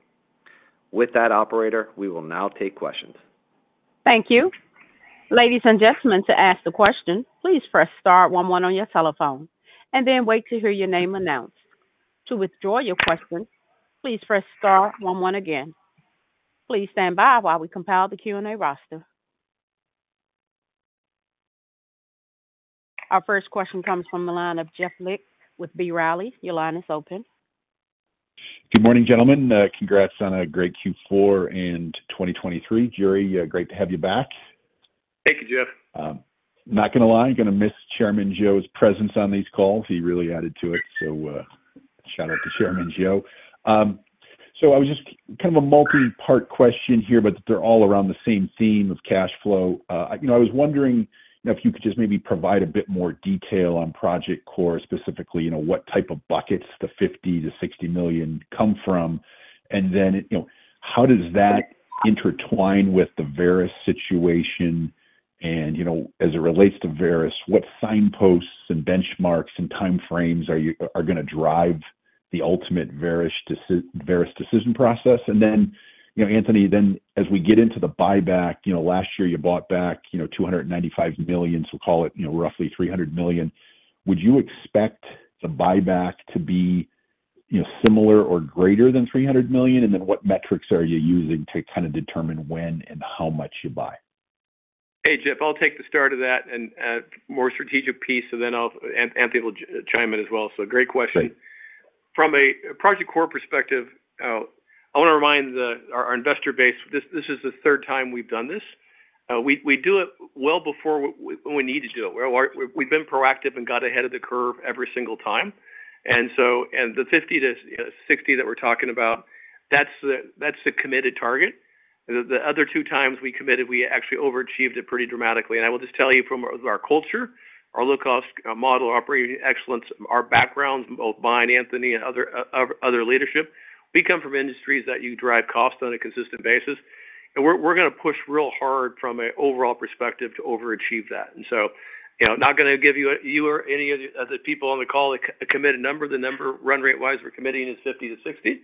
With that, operator, we will now take questions. Thank you. Ladies and gentlemen, to ask a question, please press star one one on your telephone and then wait to hear your name announced. To withdraw your question, please press star one one again. Please stand by while we compile the Q&A roster. Our first question comes from the line of Jeff Lick with B. Riley. Your line is open. Good morning, gentlemen. Congrats on a great Q4 and 2023. Gerry, great to have you back. Thank you, Jeff. Not gonna lie, I'm gonna miss Chairman Joe's presence on these calls. He really added to it. Shout out to Chairman Joe. I was just kind of posing a multi-part question here, but they're all around the same theme of cash flow. You know, I was wondering if you could just maybe provide a bit more detail on Project Core, specifically, you know, what type of buckets the $50 million-$60 million come from. And then, you know, how does that intertwine with the Varis situation? And, you know, as it relates to Varis, what signposts and benchmarks and time frames are you gonna drive the ultimate Varis decision process? And then, you know, Anthony, then as we get into the buyback, you know, last year, you bought back, you know, $295 million, so call it, you know, roughly $300 million. Would you expect the buyback to be, you know, similar or greater than $300 million? And then what metrics are you using to kind of determine when and how much you buy? Hey, Jeff, I'll take the start of that and more strategic piece, and then Anthony will chime in as well. So great question.... From a Project Core perspective, I wanna remind our investor base, this is the third time we've done this. We do it well before when we need to do it. Well, we've been proactive and got ahead of the curve every single time. And so, the 50-60 that we're talking about, that's the committed target. The other two times we committed, we actually overachieved it pretty dramatically. And I will just tell you from our culture, our low-cost model, operating excellence, our backgrounds, both mine, Anthony, and other leadership, we come from industries that you drive cost on a consistent basis. And we're gonna push real hard from an overall perspective to overachieve that. And so, you know, not gonna give you or any of the people on the call a committed number. The number, run rate wise, we're committing is 50-60,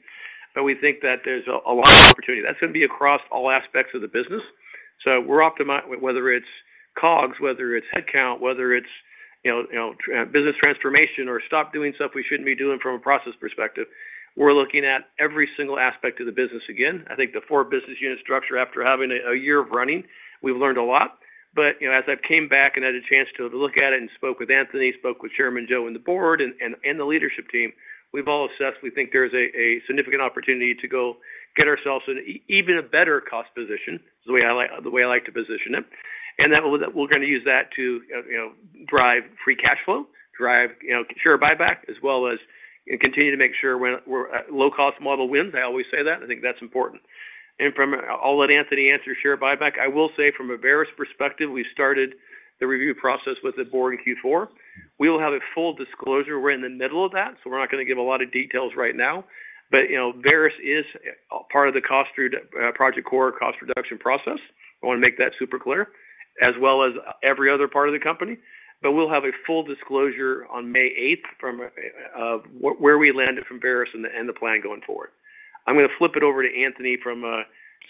but we think that there's a lot of opportunity. That's gonna be across all aspects of the business. So we're optimistic whether it's COGS, whether it's headcount, whether it's, you know, you know, business transformation or stop doing stuff we shouldn't be doing from a process perspective, we're looking at every single aspect of the business again. I think the four business unit structure, after having a year of running, we've learned a lot. But, you know, as I've came back and had a chance to look at it and spoke with Anthony, spoke with Chairman Joe and the board and the leadership team, we've all assessed, we think there's a significant opportunity to go get ourselves an even better cost position, is the way I like, the way I like to position it. And that we're, we're gonna use that to, you know, drive free cash flow, drive, you know, share buyback, as well as, and continue to make sure we're, we're at low-cost model wins. I always say that, I think that's important. And from... I'll let Anthony answer share buyback. I will say from a Veyer perspective, we started the review process with the board in Q4. We will have a full disclosure. We're in the middle of that, so we're not gonna give a lot of details right now. But, you know, Veyer is part of the Project Core cost reduction process, I wanna make that super clear, as well as every other part of the company. But we'll have a full disclosure on May 8th from where we land from Veyer and the plan going forward. I'm gonna flip it over to Anthony from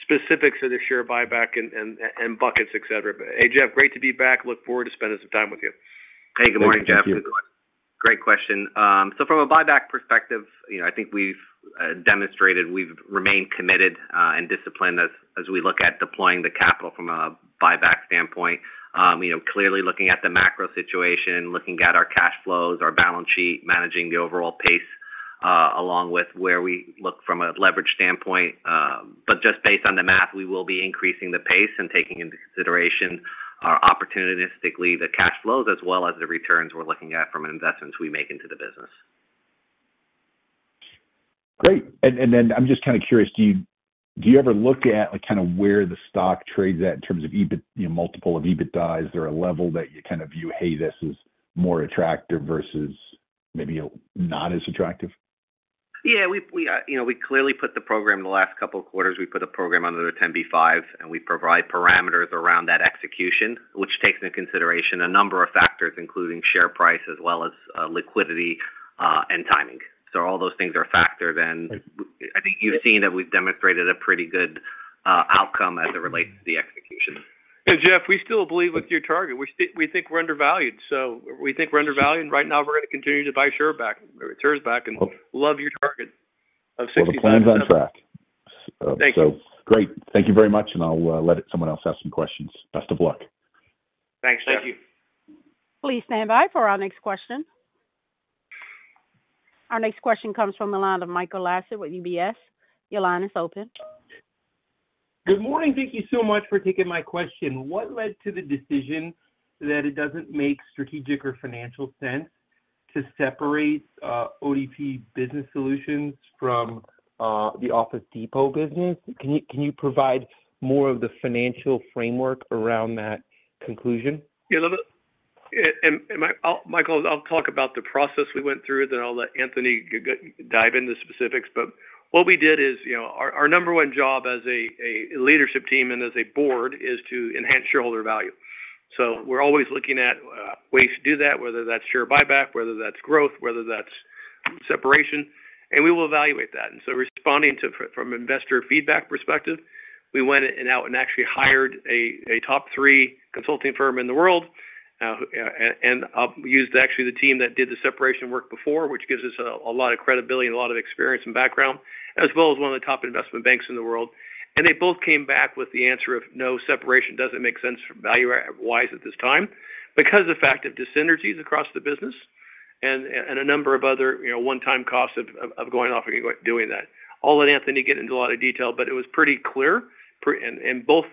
specifics of the share buyback and buckets, et cetera. But, hey, Jeff, great to be back. Look forward to spending some time with you. Hey, good morning, Jeff. Thank you. Great question. So from a buyback perspective, you know, I think we've demonstrated we've remained committed and disciplined as we look at deploying the capital from a buyback standpoint. You know, clearly looking at the macro situation, looking at our cash flows, our balance sheet, managing the overall pace along with where we look from a leverage standpoint. But just based on the math, we will be increasing the pace and taking into consideration opportunistically, the cash flows as well as the returns we're looking at from investments we make into the business. Great. And then I'm just kind of curious, do you ever look at, like, kind of where the stock trades at in terms of EBIT, you know, multiple of EBITDA? Is there a level that you kind of view, "Hey, this is more attractive versus maybe not as attractive? Yeah, we've you know, we clearly put the program, the last couple of quarters, we put a program under the 10b5-1, and we provide parameters around that execution, which takes into consideration a number of factors, including share price as well as liquidity and timing. So all those things are factored, and- Mm-hmm. I think you've seen that we've demonstrated a pretty good outcome as it relates to the execution. Jeff, we still believe with your target. We think we're undervalued, so we think we're undervalued, and right now, we're gonna continue to buy share back, shares back, and Okay. love your target of 60- Well, the plan's on track. Thank you. Great. Thank you very much, and I'll let someone else ask some questions. Best of luck. Thanks, Jeff. Thank you. Please stand by for our next question. Our next question comes from the line of Michael Lasser with UBS. Your line is open. Good morning. Thank you so much for taking my question. What led to the decision that it doesn't make strategic or financial sense to separate ODP Business Solutions from the Office Depot business? Can you provide more of the financial framework around that conclusion? Yeah, look, and Michael, I'll talk about the process we went through, then I'll let Anthony dive into the specifics. But what we did is, you know, our number one job as a leadership team and as a board is to enhance shareholder value. So we're always looking at ways to do that, whether that's share buyback, whether that's growth, whether that's separation, and we will evaluate that. And so responding to from investor feedback perspective, we went out and actually hired a top three consulting firm in the world, and used actually the team that did the separation work before, which gives us a lot of credibility and a lot of experience and background, as well as one of the top investment banks in the world. They both came back with the answer of no, separation doesn't make sense value-wise at this time, because of the fact of dis-synergies across the business and a number of other, you know, one-time costs of going off and doing that. I'll let Anthony get into a lot of detail, but it was pretty clear, and both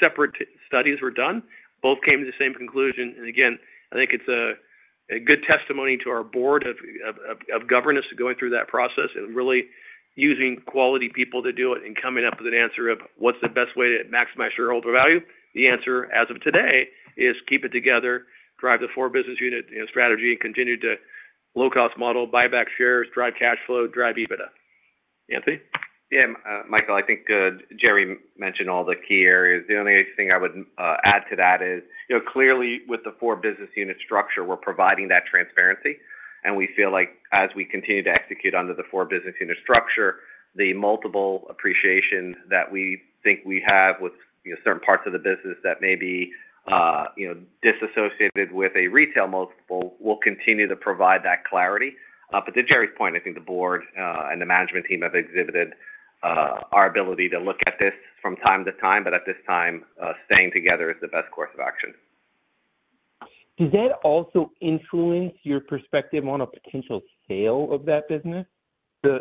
separate studies were done, both came to the same conclusion. And again, I think it's a good testimony to our board of governance going through that process and really using quality people to do it and coming up with an answer of: What's the best way to maximize shareholder value? The answer, as of today, is keep it together, drive the four business unit, you know, strategy, and continue to low-cost model, buy back shares, drive cash flow, drive EBITDA. Anthony? Yeah, Michael, I think, Gerry mentioned all the key areas. The only thing I would add to that is, you know, clearly, with the four business unit structure, we're providing that transparency, and we feel like as we continue to execute under the four business unit structure, the multiple appreciation that we think we have with, you know, certain parts of the business that may be, you know, disassociated with a retail multiple, will continue to provide that clarity. But to Gerry's point, I think the board and the management team have exhibited our ability to look at this from time to time, but at this time, staying together is the best course of action.... Does that also influence your perspective on a potential sale of that business, the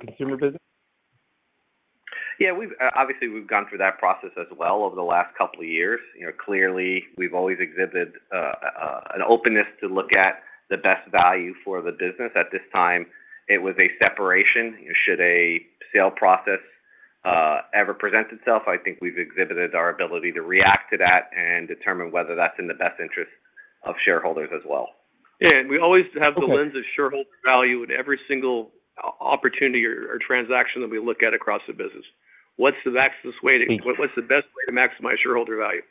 consumer business? Yeah, we've obviously we've gone through that process as well over the last couple of years. You know, clearly, we've always exhibited an openness to look at the best value for the business. At this time, it was a separation. Should a sale process ever present itself, I think we've exhibited our ability to react to that and determine whether that's in the best interest of shareholders as well. Yeah, and we always have the lens of shareholder value in every single opportunity or transaction that we look at across the business. What's the maximum way to- Thank you. What's the best way to maximize shareholder value?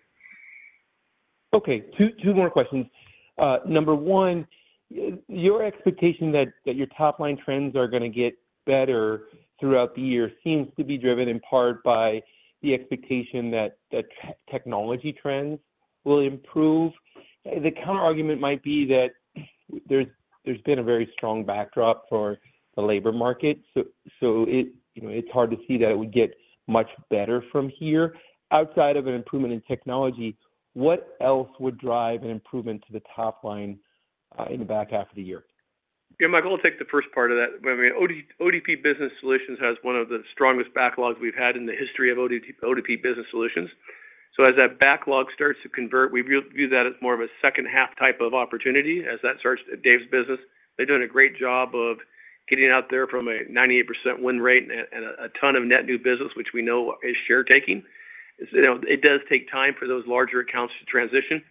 Okay, two more questions. Number one, your expectation that your top line trends are gonna get better throughout the year seems to be driven in part by the expectation that the technology trends will improve. The counterargument might be that there's been a very strong backdrop for the labor market, so it, you know, it's hard to see that it would get much better from here. Outside of an improvement in technology, what else would drive an improvement to the top line in the back half of the year? Yeah, Michael, I'll take the first part of that. I mean, ODP Business Solutions has one of the strongest backlogs we've had in the history of ODP, ODP Business Solutions. So as that backlog starts to convert, we view that as more of a second half type of opportunity. As that starts, Dave's business, they're doing a great job of getting out there from a 98% win rate and a ton of net new business, which we know is share taking. You know, it does take time for those larger accounts to transition.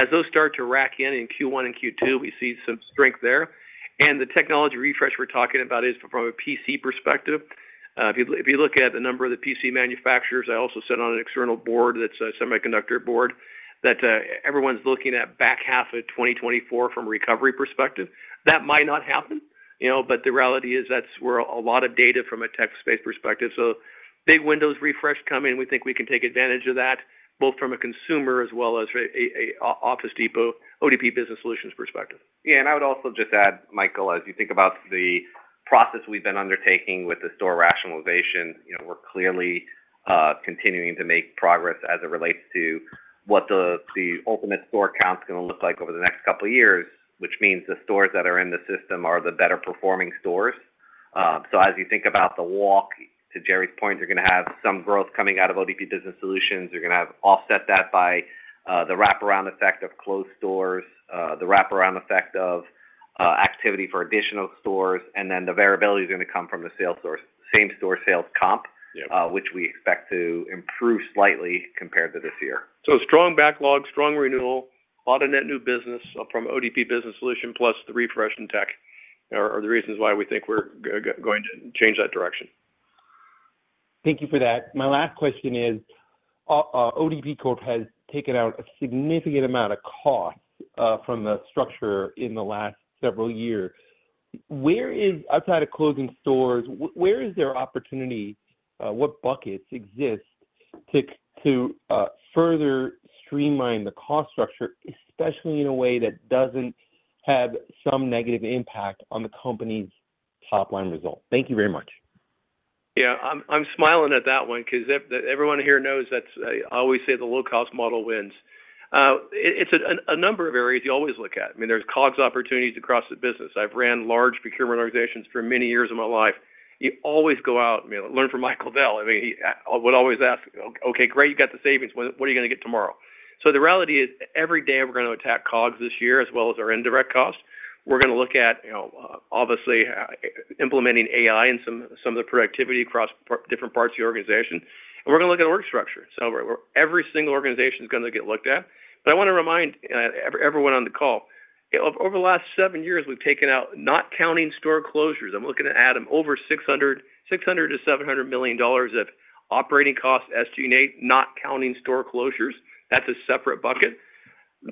As those start to rack in Q1 and Q2, we see some strength there. The technology refresh we're talking about is from a PC perspective. If you, if you look at the number of the PC manufacturers, I also sit on an external board that's a semiconductor board, that everyone's looking at back half of 2024 from a recovery perspective. That might not happen, you know, but the reality is that's where a lot of data from a tech space perspective. So big Windows refresh coming, we think we can take advantage of that, both from a consumer as well as a Office Depot, ODP Business Solutions perspective. Yeah, and I would also just add, Michael, as you think about the process we've been undertaking with the store rationalization, you know, we're clearly continuing to make progress as it relates to what the ultimate store count is gonna look like over the next couple of years, which means the stores that are in the system are the better performing stores. So as you think about the walk, to Gerry's point, you're gonna have some growth coming out of ODP Business Solutions. You're gonna have to offset that by the wraparound effect of closed stores, the wraparound effect of activity for additional stores, and then the variability is gonna come from the sales source, same-store sales comp- Yeah... which we expect to improve slightly compared to this year. So strong backlog, strong renewal, a lot of net new business from ODP Business Solutions, plus the refresh in tech, are the reasons why we think we're going to change that direction. Thank you for that. My last question is, ODP Corp has taken out a significant amount of cost from the structure in the last several years. Where is, outside of closing stores, where is there opportunity, what buckets exist to further streamline the cost structure, especially in a way that doesn't have some negative impact on the company's top-line results? Thank you very much. Yeah, I'm smiling at that one because everyone here knows that's, I always say the low-cost model wins. It's a number of areas you always look at. I mean, there's COGS opportunities across the business. I've ran large procurement organizations for many years of my life. You always go out, you know, learn from Michael Dell. I mean, he would always ask, "Okay, great, you got the savings. What are you gonna get tomorrow?" So the reality is, every day we're gonna attack COGS this year, as well as our indirect costs. We're gonna look at, you know, obviously, implementing AI in some of the productivity across different parts of the organization. And we're gonna look at the org structure. So every single organization is gonna get looked at. But I wanna remind everyone on the call, over the last seven years, we've taken out, not counting store closures, I'm looking at them, over $600 million-$700 million of operating costs, SG&A, not counting store closures. That's a separate bucket.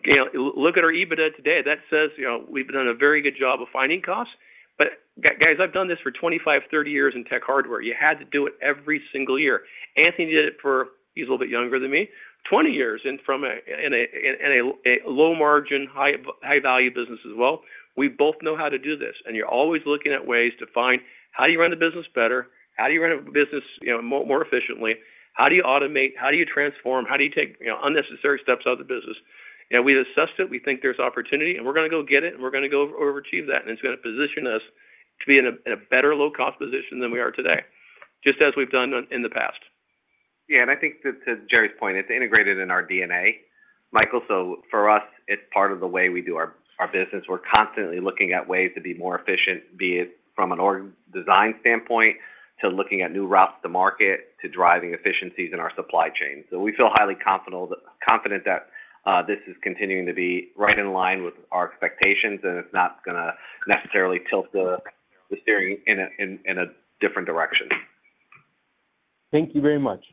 You know, look at our EBITDA today. That says, you know, we've done a very good job of finding costs. But guys, I've done this for 25-30 years in tech hardware. You had to do it every single year. Anthony did it for, he's a little bit younger than me, 20 years and from a low margin, high value business as well. We both know how to do this, and you're always looking at ways to find how do you run the business better? How do you run a business, you know, more efficiently? How do you automate? How do you transform? How do you take, you know, unnecessary steps out of the business? And we've assessed it, we think there's opportunity, and we're gonna go get it, and we're gonna go overachieve that, and it's gonna position us to be in a, in a better low-cost position than we are today, just as we've done in the past. Yeah, and I think to, to Gerry's point, it's integrated in our DNA. Michael, so for us, it's part of the way we do our, our business. We're constantly looking at ways to be more efficient, be it from an org design standpoint, to looking at new routes to market, to driving efficiencies in our supply chain. So we feel highly confident that this is continuing to be right in line with our expectations, and it's not gonna necessarily tilt the steering in a different direction. Thank you very much.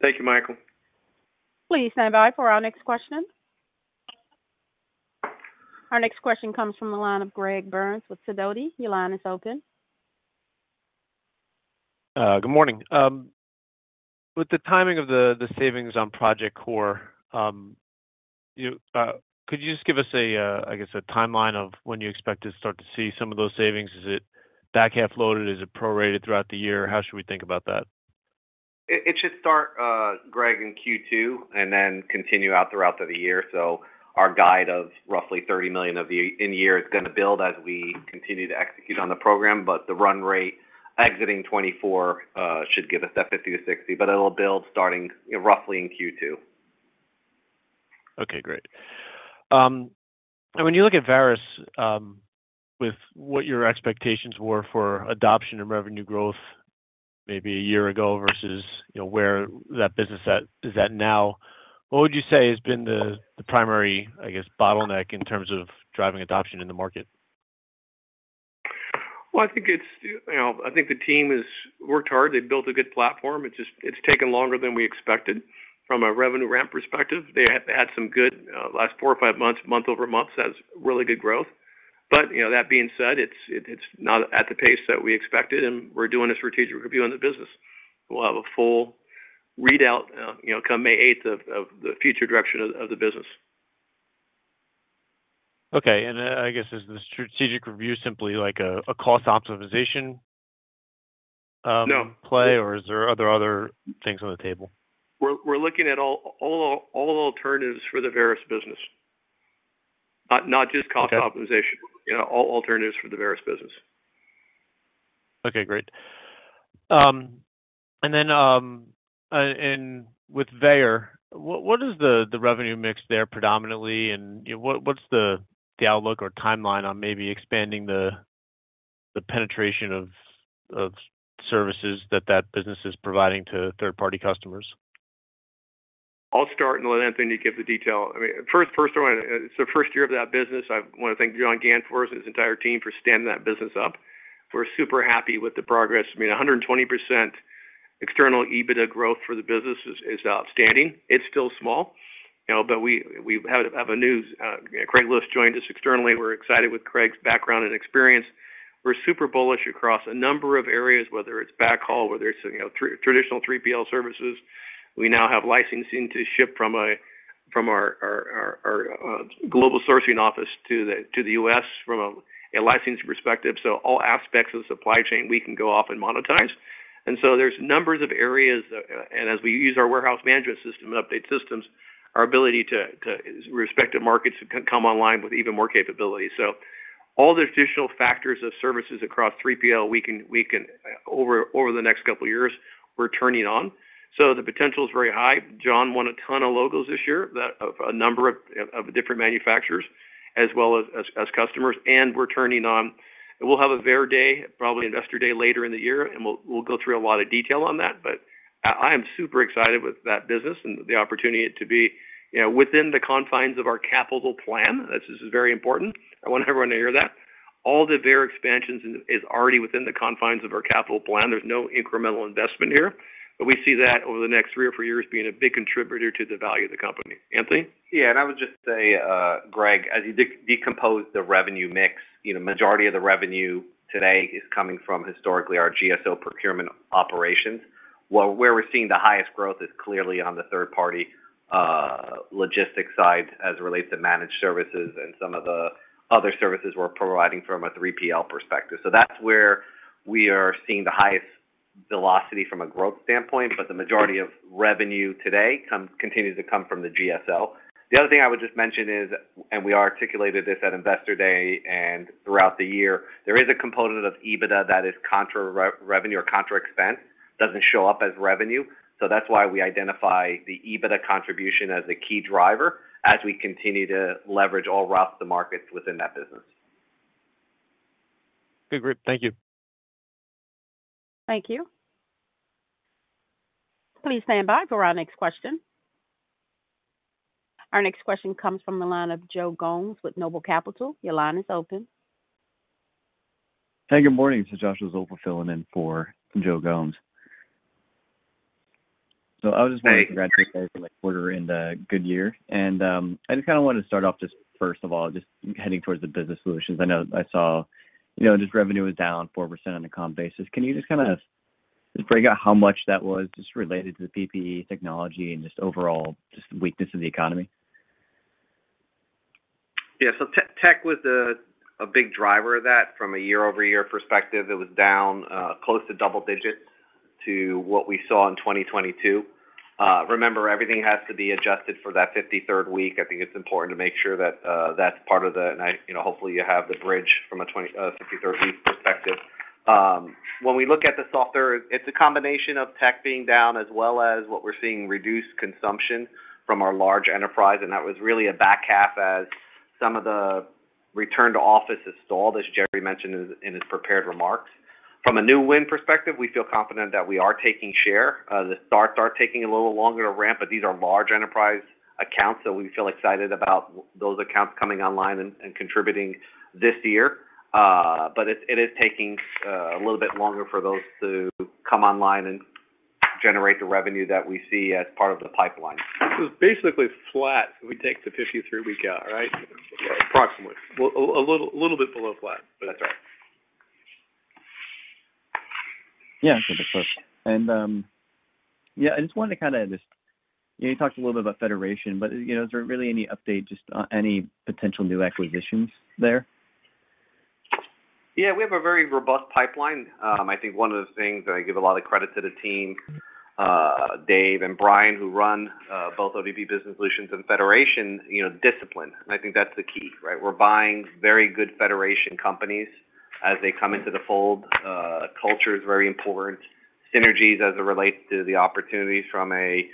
Thank you, Michael. Please stand by for our next question. Our next question comes from the line of Greg Burns with Sidoti. Your line is open. Good morning. With the timing of the savings on Project Core, could you just give us a, I guess, a timeline of when you expect to start to see some of those savings? Is it back-half loaded? Is it prorated throughout the year? How should we think about that?... it should start, Greg, in Q2, and then continue out throughout the year. So our guide of roughly $30 million of the in year is gonna build as we continue to execute on the program, but the run rate exiting 2024 should give us that $50 million-$60 million, but it'll build starting, roughly in Q2. Okay, great. And when you look at Varis, with what your expectations were for adoption and revenue growth maybe a year ago versus, you know, where that business is at now, what would you say has been the primary, I guess, bottleneck in terms of driving adoption in the market? Well, I think it's, you know, I think the team has worked hard. They've built a good platform. It's just it's taken longer than we expected from a revenue ramp perspective. They had some good last four or five months, month-over-month, has really good growth. But, you know, that being said, it's it's not at the pace that we expected, and we're doing a strategic review on the business. We'll have a full readout, you know, come May eighth of the future direction of the business. Okay. And, I guess, is the strategic review simply like a cost optimization? No -play, or is there other things on the table? We're looking at all the alternatives for the Varis business, not just cost optimization. Okay. You know, all alternatives for the Varis business. Okay, great. And then with Veyer, what is the revenue mix there predominantly, and you know, what's the outlook or timeline on maybe expanding the penetration of services that that business is providing to third-party customers? I'll start and let Anthony give the detail. I mean, first of all, it's the first year of that business. I wanna thank John Gannfors and his entire team for standing that business up. We're super happy with the progress. I mean, 120% external EBITDA growth for the business is outstanding. It's still small, you know, but we have a new Craig Lewis joined us externally. We're excited with Craig's background and experience. We're super bullish across a number of areas, whether it's backhaul, whether it's, you know, traditional 3PL services. We now have licensing to ship from our global sourcing office to the U.S. from a licensing perspective. So all aspects of the supply chain we can go off and monetize. There's a number of areas, and as we use our warehouse management system and update systems, our ability to respective markets can come online with even more capability. So all the additional factors of services across 3PL, we can over the next couple of years, we're turning on. So the potential is very high. John won a ton of logos this year, a number of different manufacturers as well as customers, and we're turning on. We'll have a Veyer Day, probably Investor Day later in the year, and we'll go through a lot of detail on that. But I am super excited with that business and the opportunity to be, you know, within the confines of our capital plan. This is very important. I want everyone to hear that. All the Veyer expansions is, is already within the confines of our capital plan. There's no incremental investment here, but we see that over the next three or four years being a big contributor to the value of the company. Anthony? Yeah, and I would just say, Greg, as you decompose the revenue mix, you know, majority of the revenue today is coming from historically our GSO procurement operations. Well, where we're seeing the highest growth is clearly on the third party logistics side as it relates to managed services and some of the other services we're providing from a 3PL perspective. So that's where we are seeing the highest velocity from a growth standpoint, but the majority of revenue today continues to come from the GSO. The other thing I would just mention is, and we articulated this at Investor Day and throughout the year, there is a component of EBITDA that is contra revenue or contra expense, doesn't show up as revenue. That's why we identify the EBITDA contribution as the key driver as we continue to leverage all routes to markets within that business. Good. Great. Thank you. Thank you. Please stand by for our next question. Our next question comes from the line of Joe Gomes with Noble Capital. Your line is open. Hey, good morning. This is Joshua Zoepfel filling in for Joe Gomes. So I just want to congratulate- Hi You on the quarter and the good year. I just kinda wanted to start off just first of all, just heading towards the business solutions. I know I saw, you know, just revenue was down 4% on a comp basis. Can you just kinda just break out how much that was just related to the PPE technology and just overall, just the weakness in the economy? Yeah, so tech was a big driver of that. From a year-over-year perspective, it was down close to double digits to what we saw in 2022. Remember, everything has to be adjusted for that 53rd week. I think it's important to make sure that that's part of the-- and, you know, hopefully, you have the bridge from a 2022 53rd week perspective. When we look at the software, it's a combination of tech being down, as well as what we're seeing, reduced consumption from our large enterprise, and that was really a back half as some of the return to office is stalled, as Jeffrey mentioned in his prepared remarks. From a new win perspective, we feel confident that we are taking share. The starts are taking a little longer to ramp, but these are large enterprise accounts, so we feel excited about those accounts coming online and contributing this year. But it is taking a little bit longer for those to come online and generate the revenue that we see as part of the pipeline. This is basically flat if we take the 53-week out, right? Approximately. Well, a little, little bit below flat. That's right. Yeah, so the close. And, yeah, I just wanted to kinda just... You talked a little bit about Federation, but, you know, is there really any update, just, any potential new acquisitions there?... Yeah, we have a very robust pipeline. I think one of the things, and I give a lot of credit to the team, Dave and Brian, who run both ODP Business Solutions and Federation, you know, discipline, and I think that's the key, right? We're buying very good federation companies as they come into the fold. Culture is very important. Synergies, as it relates to the opportunities from a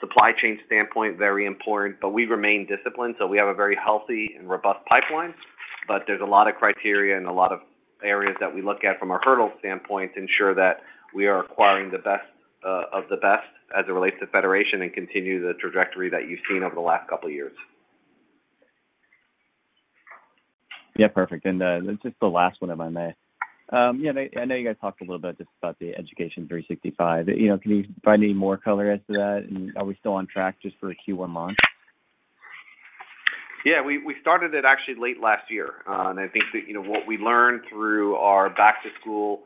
supply chain standpoint, very important. But we remain disciplined, so we have a very healthy and robust pipeline, but there's a lot of criteria and a lot of areas that we look at from a hurdle standpoint to ensure that we are acquiring the best of the best as it relates to federation and continue the trajectory that you've seen over the last couple of years. Yeah, perfect. And, just the last one, if I may. Yeah, I know you guys talked a little bit just about the Education 365. You know, can you provide any more color as to that? And are we still on track just for the Q1 launch? Yeah, we started it actually late last year. And I think that, you know, what we learned through our back to school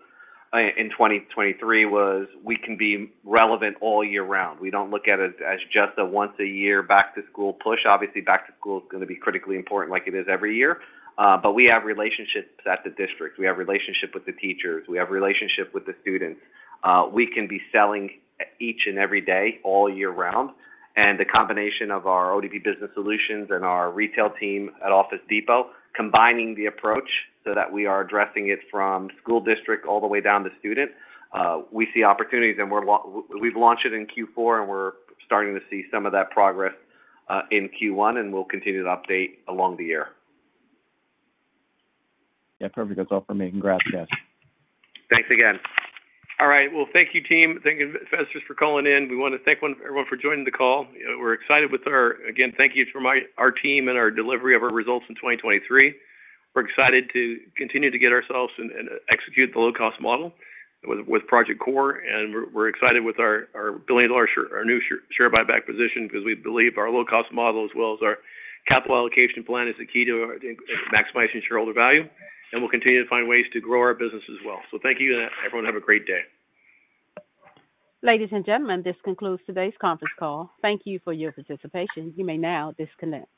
in 2023 was we can be relevant all year round. We don't look at it as just a once a year back to school push. Obviously, back to school is gonna be critically important like it is every year. But we have relationships at the district. We have relationship with the teachers. We have relationship with the students. We can be selling each and every day, all year round, and the combination of our ODP Business Solutions and our retail team at Office Depot, combining the approach so that we are addressing it from school district all the way down to student. We see opportunities, and we've launched it in Q4, and we're starting to see some of that progress in Q1, and we'll continue to update along the year. Yeah, perfect. That's all for me, and congrats guys. Thanks again. All right. Well, thank you, team. Thank you, investors, for calling in. We wanna thank everyone for joining the call. We're excited with our... Again, thank you to our team and our delivery of our results in 2023. We're excited to continue to get ourselves and execute the low-cost model with Project Core, and we're excited with our $1 billion share buyback position because we believe our low-cost model, as well as our capital allocation plan, is the key to maximizing shareholder value, and we'll continue to find ways to grow our business as well. So thank you, and everyone, have a great day. Ladies and gentlemen, this concludes today's conference call. Thank you for your participation. You may now disconnect.